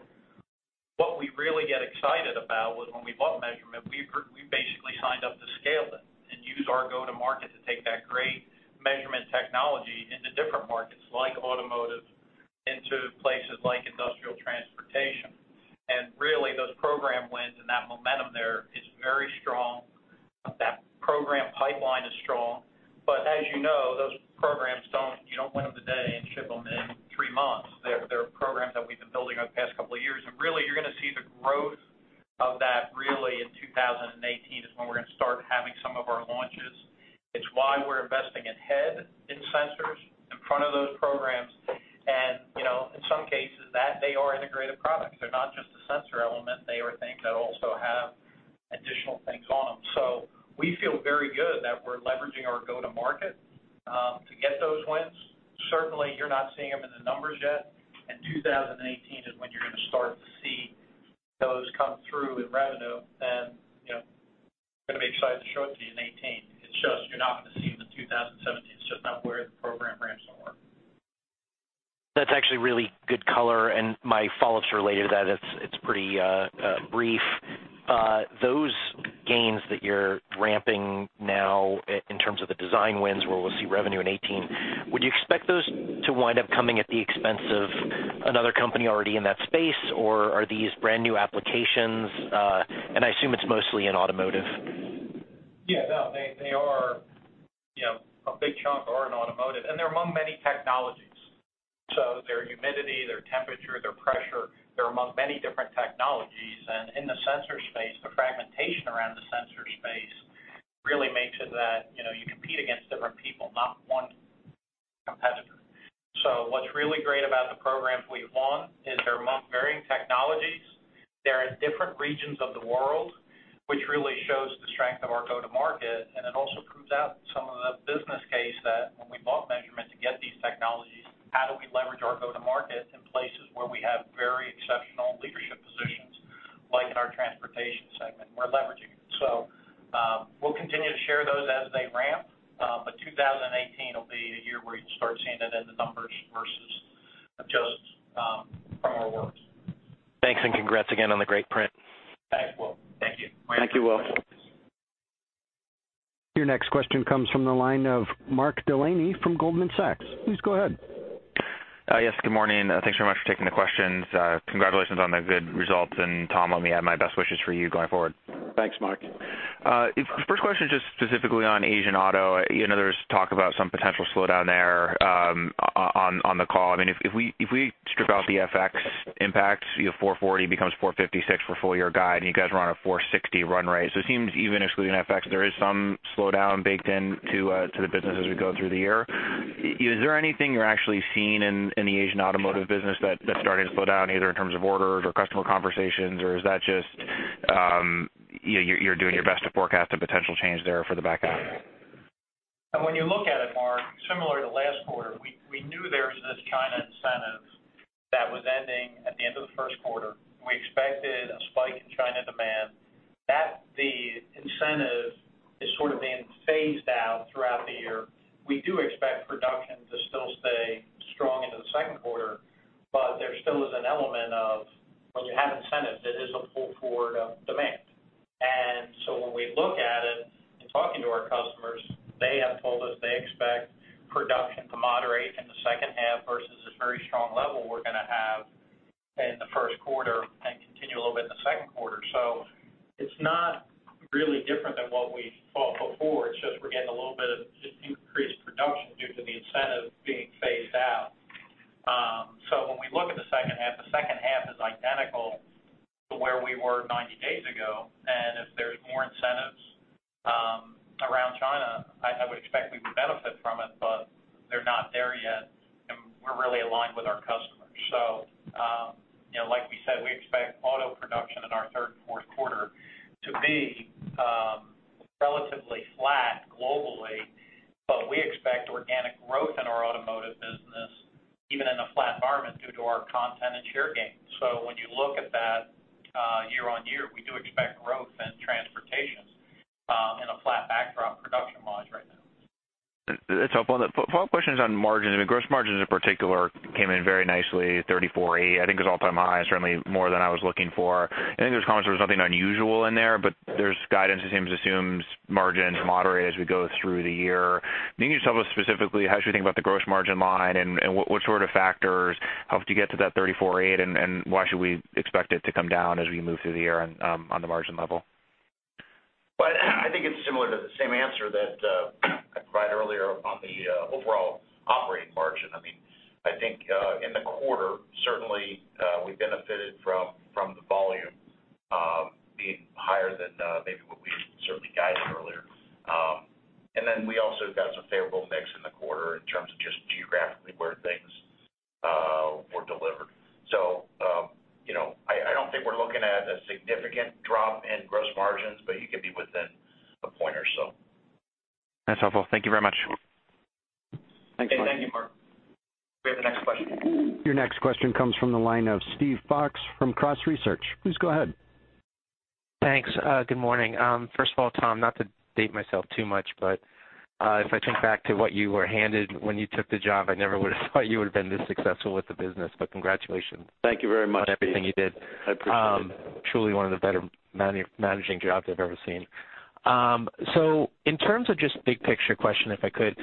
What we really get excited about was when we bought Measurement, we basically signed up to scale it and use our go-to-market to take that great measurement technology into different markets, like automotive, into places like industrial transportation. Really, those program wins and that momentum there is very strong. That program pipeline is strong, but as you know, those programs don't you don't win them today and ship them in three months. They're programs that we've been building over the past couple of years, and really, you're going to see the growth of that really in 2018, is when we're going to start having some of our launches. It's why we're investing ahead in sensors in front of those programs, and, you know, in some cases, that they are integrated products. They're not just a sensor element, they are things that also have additional things on them. So we feel very good that we're leveraging our go-to-market to get those wins. Certainly, you're not seeing them in the numbers yet, and 2018 is when you're going to start to see those come through in revenue, and, you know, I'm going to be excited to show it to you in 2018. It's just you're not going to see it in 2017. It's just not where the program ramps are. That's actually really good color, and my follow-up's related to that. It's, it's pretty brief. Those gains that you're ramping now in terms of the design wins, where we'll see revenue in 2018, would you expect those to wind up coming at the expense of another company already in that space, or are these brand-new applications? And I assume it's mostly in automotive. Yeah, no, they are, you know, a big chunk are in automotive, and they're among many technologies. So they're humidity, they're temperature, they're pressure, they're among many different technologies. And in the sensor space, the fragmentation around the sensor space really makes it that, you know, you compete against different people, not one competitor. So what's really great about the programs we've won is they're among varying technologies. They're in different regions of the world, which really shows the strength of our go-to-market, and it also proves out some of the business case that when we bought Measurement to get these technologies, how do we leverage our go-to-market in places where we have very exceptional leadership positions, like in our transportation segment. We're leveraging it. We'll continue to share those as they ramp, but 2018 will be the year where you'll start seeing it in the numbers versus just our words. Thanks, and congrats again on the great print. Thanks, Will. Thank you. Thank you, Will. Your next question comes from the line of Mark Delaney from Goldman Sachs. Please go ahead. Yes, good morning. Thanks very much for taking the questions. Congratulations on the good results, and Tom, let me add my best wishes for you going forward. Thanks, Mark. The first question is just specifically on Asian auto. You know, there's talk about some potential slowdown there, on the call. I mean, if we strip out the FX impact, you know, $440 becomes $456 for full-year guide, and you guys are on a $460 run rate. So it seems even excluding FX, there is some slowdown baked into to the business as we go through the year. Is there anything you're actually seeing in the Asian automotive business that's starting to slow down, either in terms of orders or customer conversations, or is that just you're doing your best to forecast a potential change there for the back half? When you look at it, Mark, similar to last quarter, we knew there was this China incentive that was ending at the end of the first quarter. We expected sort of being phased out throughout the year, we do expect production to still stay strong into the second quarter, but there still is an element of when you have incentive, it is a pull forward of demand. And so when we look at it, in talking to our customers, they have told us they expect production to moderate in the second half versus this very strong level we're gonna have in the first quarter and continue a little bit in the second quarter. So it's not really different than what we thought before. It's just we're getting a little bit of just increased production due to the incentive being phased out. So when we look at the second half, the second half is identical to where we were 90 days ago, and if there's more incentives around China, I would expect we would benefit from it, but they're not there yet, and we're really aligned with our customers. So, you know, like we said, we expect auto production in our third and fourth quarter to be relatively flat globally, but we expect organic growth in our automotive business, even in a flat environment, due to our content and share gain. So when you look at that, year-on-year, we do expect growth in transportation in a flat backdrop production launch right now. That's helpful. The follow-up question is on margins. I mean, gross margins in particular came in very nicely, 34.8%. I think it's all-time high, certainly more than I was looking for. I think there's comments there was nothing unusual in there, but there's guidance that seems assumes margins moderate as we go through the year. Can you just tell us specifically, how should we think about the gross margin line and, and what, what sort of factors helped you get to that 34.8%? And, and why should we expect it to come down as we move through the year on, on the margin level? Well, I think it's similar to the same answer that I provided earlier on the overall operating margin. I mean, I think in the quarter, certainly, we benefited from the volume being higher than maybe what we certainly guided earlier. And then we also got some favorable mix in the quarter in terms of just geographically where things were delivered. So, you know, I don't think we're looking at a significant drop in gross margins, but you could be within a point or so. That's helpful. Thank you very much. Thank you, Mark. Thank you, Mark. We have the next question. Your next question comes from the line of Steve Fox from Cross Research. Please go ahead. Thanks. Good morning. First of all, Tom, not to date myself too much, but if I think back to what you were handed when you took the job, I never would have thought you would have been this successful with the business, but congratulations Thank you very much. on everything you did. I appreciate it. Truly one of the better managing jobs I've ever seen. So in terms of just big picture question, if I could,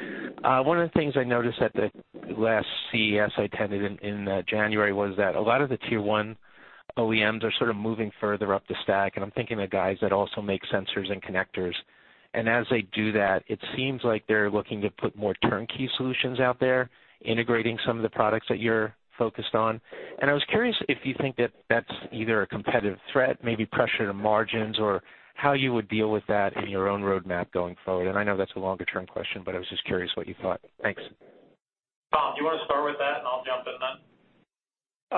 one of the things I noticed at the last CES I attended in January, was that a lot of the tier one OEMs are sort of moving further up the stack, and I'm thinking of guys that also make sensors and connectors. And as they do that, it seems like they're looking to put more turnkey solutions out there, integrating some of the products that you're focused on. And I was curious if you think that that's either a competitive threat, maybe pressure to margins, or how you would deal with that in your own roadmap going forward? And I know that's a longer term question, but I was just curious what you thought. Thanks. Tom, do you want to start with that, and I'll jump in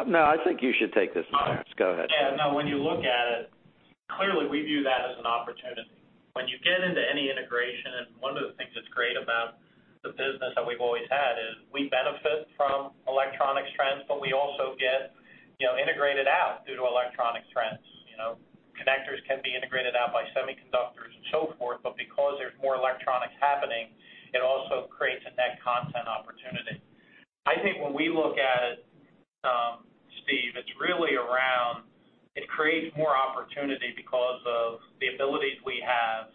then? No, I think you should take this one, Terrence. Go ahead. Yeah, no, when you look at it, clearly we view that as an opportunity. When you get into any integration, and one of the things that's great about the business that we've always had is, we benefit from electronics trends, but we also get, you know, integrated out due to electronics trends. You know, connectors can be integrated out by semiconductors and so forth, but because there's more electronics happening, it also creates a net content opportunity. I think when we look at it, Steve, it's really around, it creates more opportunity because of the abilities we have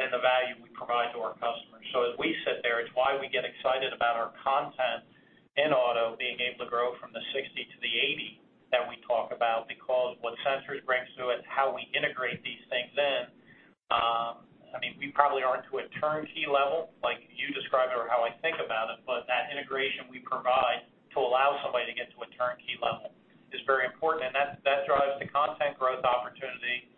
and the value we provide to our customers. So as we sit there, it's why we get excited about our content in auto being able to grow from the 60 to the 80 that we talk about, because what sensors brings to it, how we integrate these things in, I mean, we probably aren't to a turnkey level like you described or how I think about it, but that integration we provide to allow somebody to get to a turnkey level is very important, and that drives the content growth opportunity.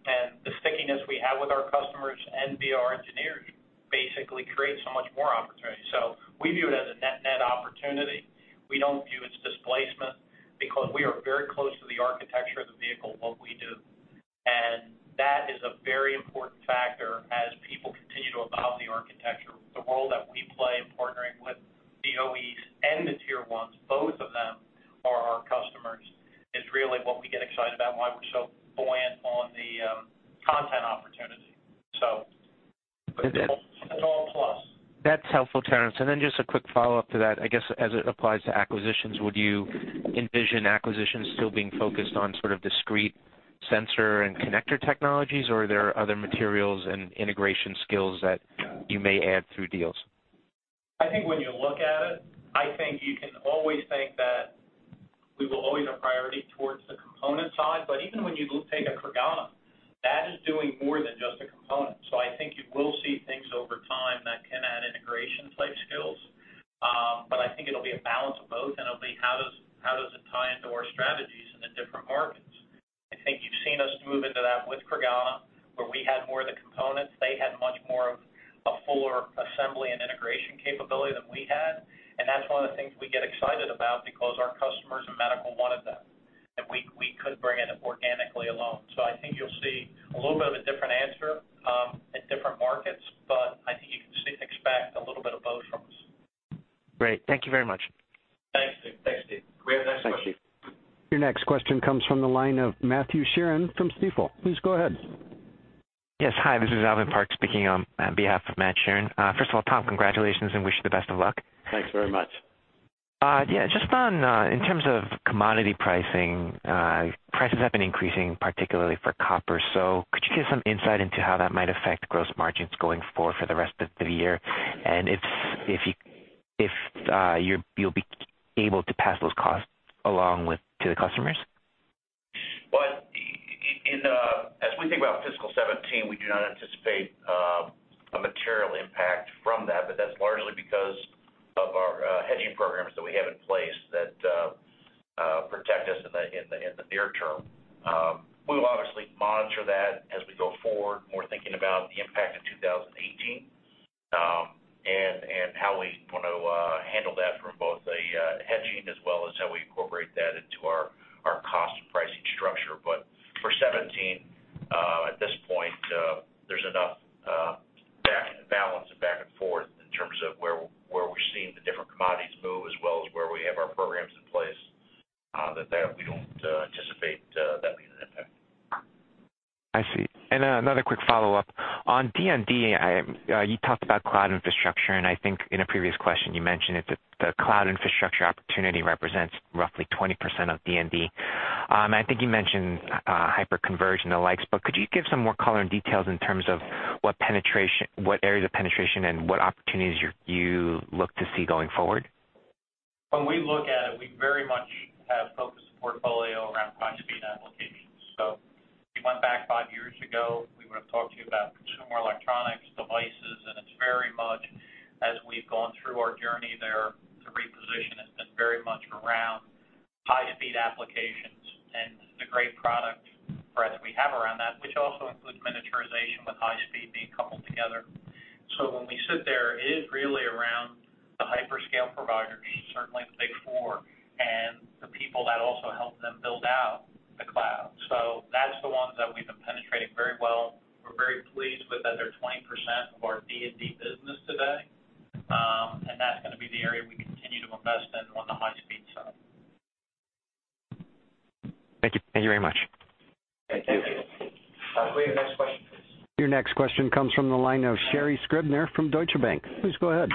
And the stickiness we have with our customers and via our engineers basically creates so much more opportunity. So we view it as a net-net opportunity. We don't view it as displacement, because we are very close to the architecture of the vehicle, what we do. And that is a very important factor as people continue to evolve the architecture. The role that we play in partnering with the OEs and the tier ones, both of them are our customers, is really what we get excited about, and why we're so buoyant on the content opportunity. So it's all plus. That's helpful, Terrence. And then just a quick follow-up to that. I guess as it applies to acquisitions, would you envision acquisitions still being focused on sort of discrete sensor and connector technologies? Or are there other materials and integration skills that you may add through deals? I think when you look at it, I think you can always think that we will always have priority towards the component side, but even when you take a Creganna, that is doing more than just a component. So I think you will see things over time that can add integration type skills. But I think it'll be a balance of both, and it'll be how does it tie into our strategies in the different markets? I think you've seen us move into that with Creganna, where we had more of the components. They had much more of a fuller assembly and integration capability than we had, and that's one of the things we get excited about because our customers in medical wanted that, and we could bring it up organically alone. So I think you'll see a little bit of a different answer at different markets. Great. Thank you very much. Thanks, Steve. Thanks, Steve. We have the next question. Thank you. Your next question comes from the line of Matthew Sheeran from Stifel. Please go ahead. Yes, hi, this is Alvin Park speaking on behalf of Matt Sheeran. First of all, Tom, congratulations and wish you the best of luck. Thanks very much. Yeah, just on, in terms of commodity pricing, prices have been increasing, particularly for copper. So could you give some insight into how that might affect gross margins going forward for the rest of the year? And if you'll be able to pass those costs along to the customers? Well, in, as we think about fiscal 2017, we do not anticipate a material impact from that, but that's largely because of our hedging programs that we have in place that protect us in the near term. We will obviously monitor that as we go forward, more thinking about the impact of 2018, and how we want to handle that from both a hedging as well as how we incorporate that into our cost pricing structure. But for 2017, at this point, there's enough back balance and back and forth in terms of where we're seeing the different commodities move, as well as where we have our programs in place that we don't anticipate that being an impact. I see. Then another quick follow-up. On D&D, you talked about cloud infrastructure, and I think in a previous question, you mentioned that the cloud infrastructure opportunity represents roughly 20% of D&D. And I think you mentioned hyperscale and the likes, but could you give some more color and details in terms of what areas of penetration and what opportunities you look to see going forward? When we look at it, we very much have focused portfolio around high-speed applications. So if you went back five years ago, we would've talked to you about consumer electronics, devices, and it's very much as we've gone through our journey there, the reposition has been very much around high-speed applications and the great product breadth we have around that, which also includes miniaturization with high speed being coupled together. So when we sit there, it is really around the hyperscale provider, be certainly the big four, and the people that also help them build out the cloud. So that's the ones that we've been penetrating very well. We're very pleased with that they're 20% of our D&D business today, and that's gonna be the area we continue to invest in on the high-speed side. Thank you. Thank you very much. Thank you. We have the next question, please. Your next question comes from the line of Sherry Scribner from Deutsche Bank. Please go ahead.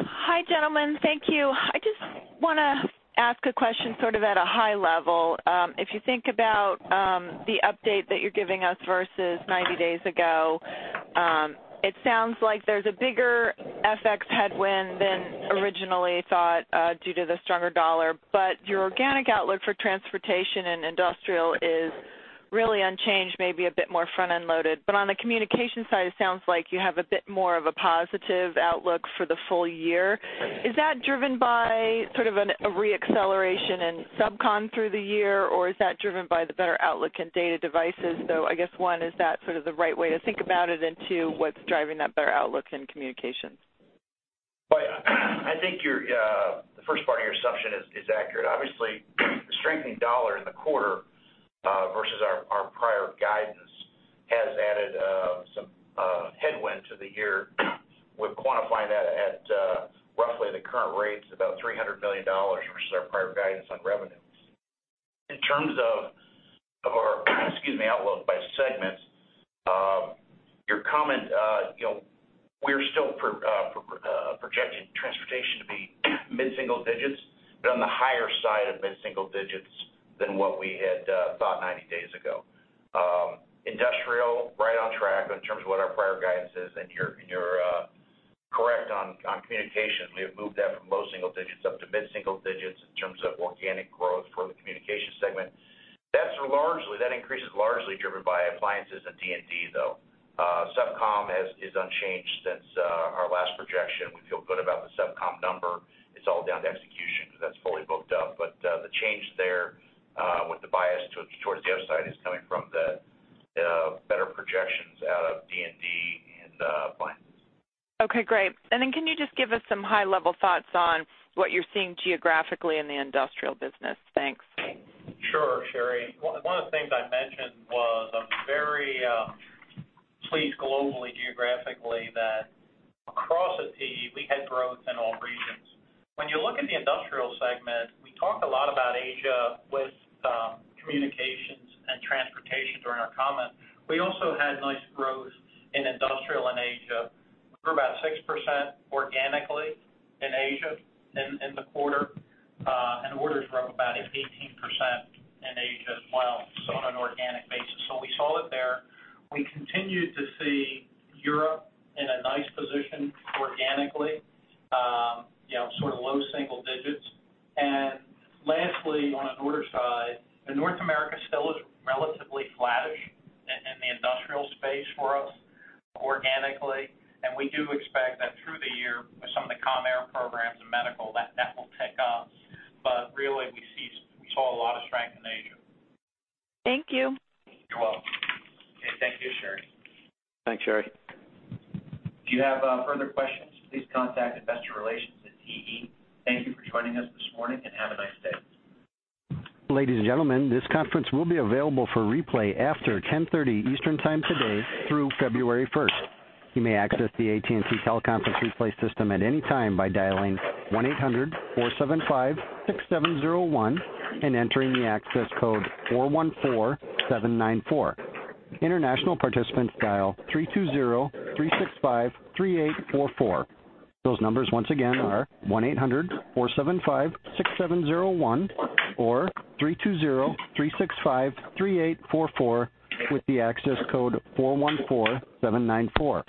Hi, gentlemen. Thank you. I just wanna ask a question sort of at a high level. If you think about the update that you're giving us versus 90 days ago, it sounds like there's a bigger FX headwind than originally thought due to the stronger dollar. But your organic outlook for transportation and industrial is really unchanged, maybe a bit more front-end loaded. But on the communication side, it sounds like you have a bit more of a positive outlook for the full-year. Is that driven by sort of a re-acceleration in SubCom through the year, or is that driven by the better outlook in data devices? So I guess, one, is that sort of the right way to think about it, and two, what's driving that better outlook in communications? Well, I think the first part of your assumption is accurate. Obviously, the strengthening dollar in the quarter versus our prior guidance has added some headwind to the year. We're quantifying that at roughly the current rates about $300 million versus our prior guidance on revenues. In terms of our outlook by segments, your comment, you know, we're still projecting Transportation to be mid-single digits, but on the higher side of mid-single digits than what we had thought 90 days ago. Industrial, right on track in terms of what our prior guidance is, and you're correct on Communications. We have moved that from low single digits up to mid single digits in terms of organic growth for the Communications segment. That's largely, that increase is largely driven by appliances and D&D, though. SubCom is unchanged since our last projection. We feel good about the SubCom number. It's all down to execution. That's fully booked up. But the change there, with the bias towards the upside, is coming from the better projections out of D&D and plans. Okay, great. And then can you just give us some high-level thoughts on what you're seeing geographically in the industrial business? Thanks. Sure, Sherry. One of the things I mentioned was, I'm very pleased globally, geographically, that across the TE, we had growth in all regions. When you look at the industrial segment, we talked a lot about Asia with communications and transportation during our comment. We also had nice growth in industrial in Asia. We're about 6% organically in Asia in the quarter, and orders were up about 18% in Asia as well, so on an organic basis. So we saw it there. We continued to see Europe in a nice position organically, you know, sort of low single digits. And lastly, on an order side, in North America still is relatively flattish in the industrial space for us organically, and we do expect that through the year, with some of the Com Air programs and medical, that will tick up. But really, we saw a lot of strength in Asia. Thank you. You're welcome. Okay. Thank you, Sherry. Thanks, Sherry. If you have further questions, please contact Investor Relations at TE. Thank you for joining us this morning, and have a nice day. Ladies and gentlemen, this conference will be available for replay after 10:30 Eastern Time today through February 1st. You may access the AT&T teleconference replay system at any time by dialing 1-800-475-6701 and entering the access code 414794. International participants, dial 320-365-3844. Those numbers once again are 1-800-475-6701 or 320-365-3844, with the access code 414794.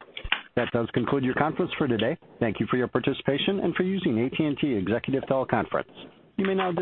That does conclude your conference for today. Thank you for your participation and for using AT&T Executive Teleconference. You may now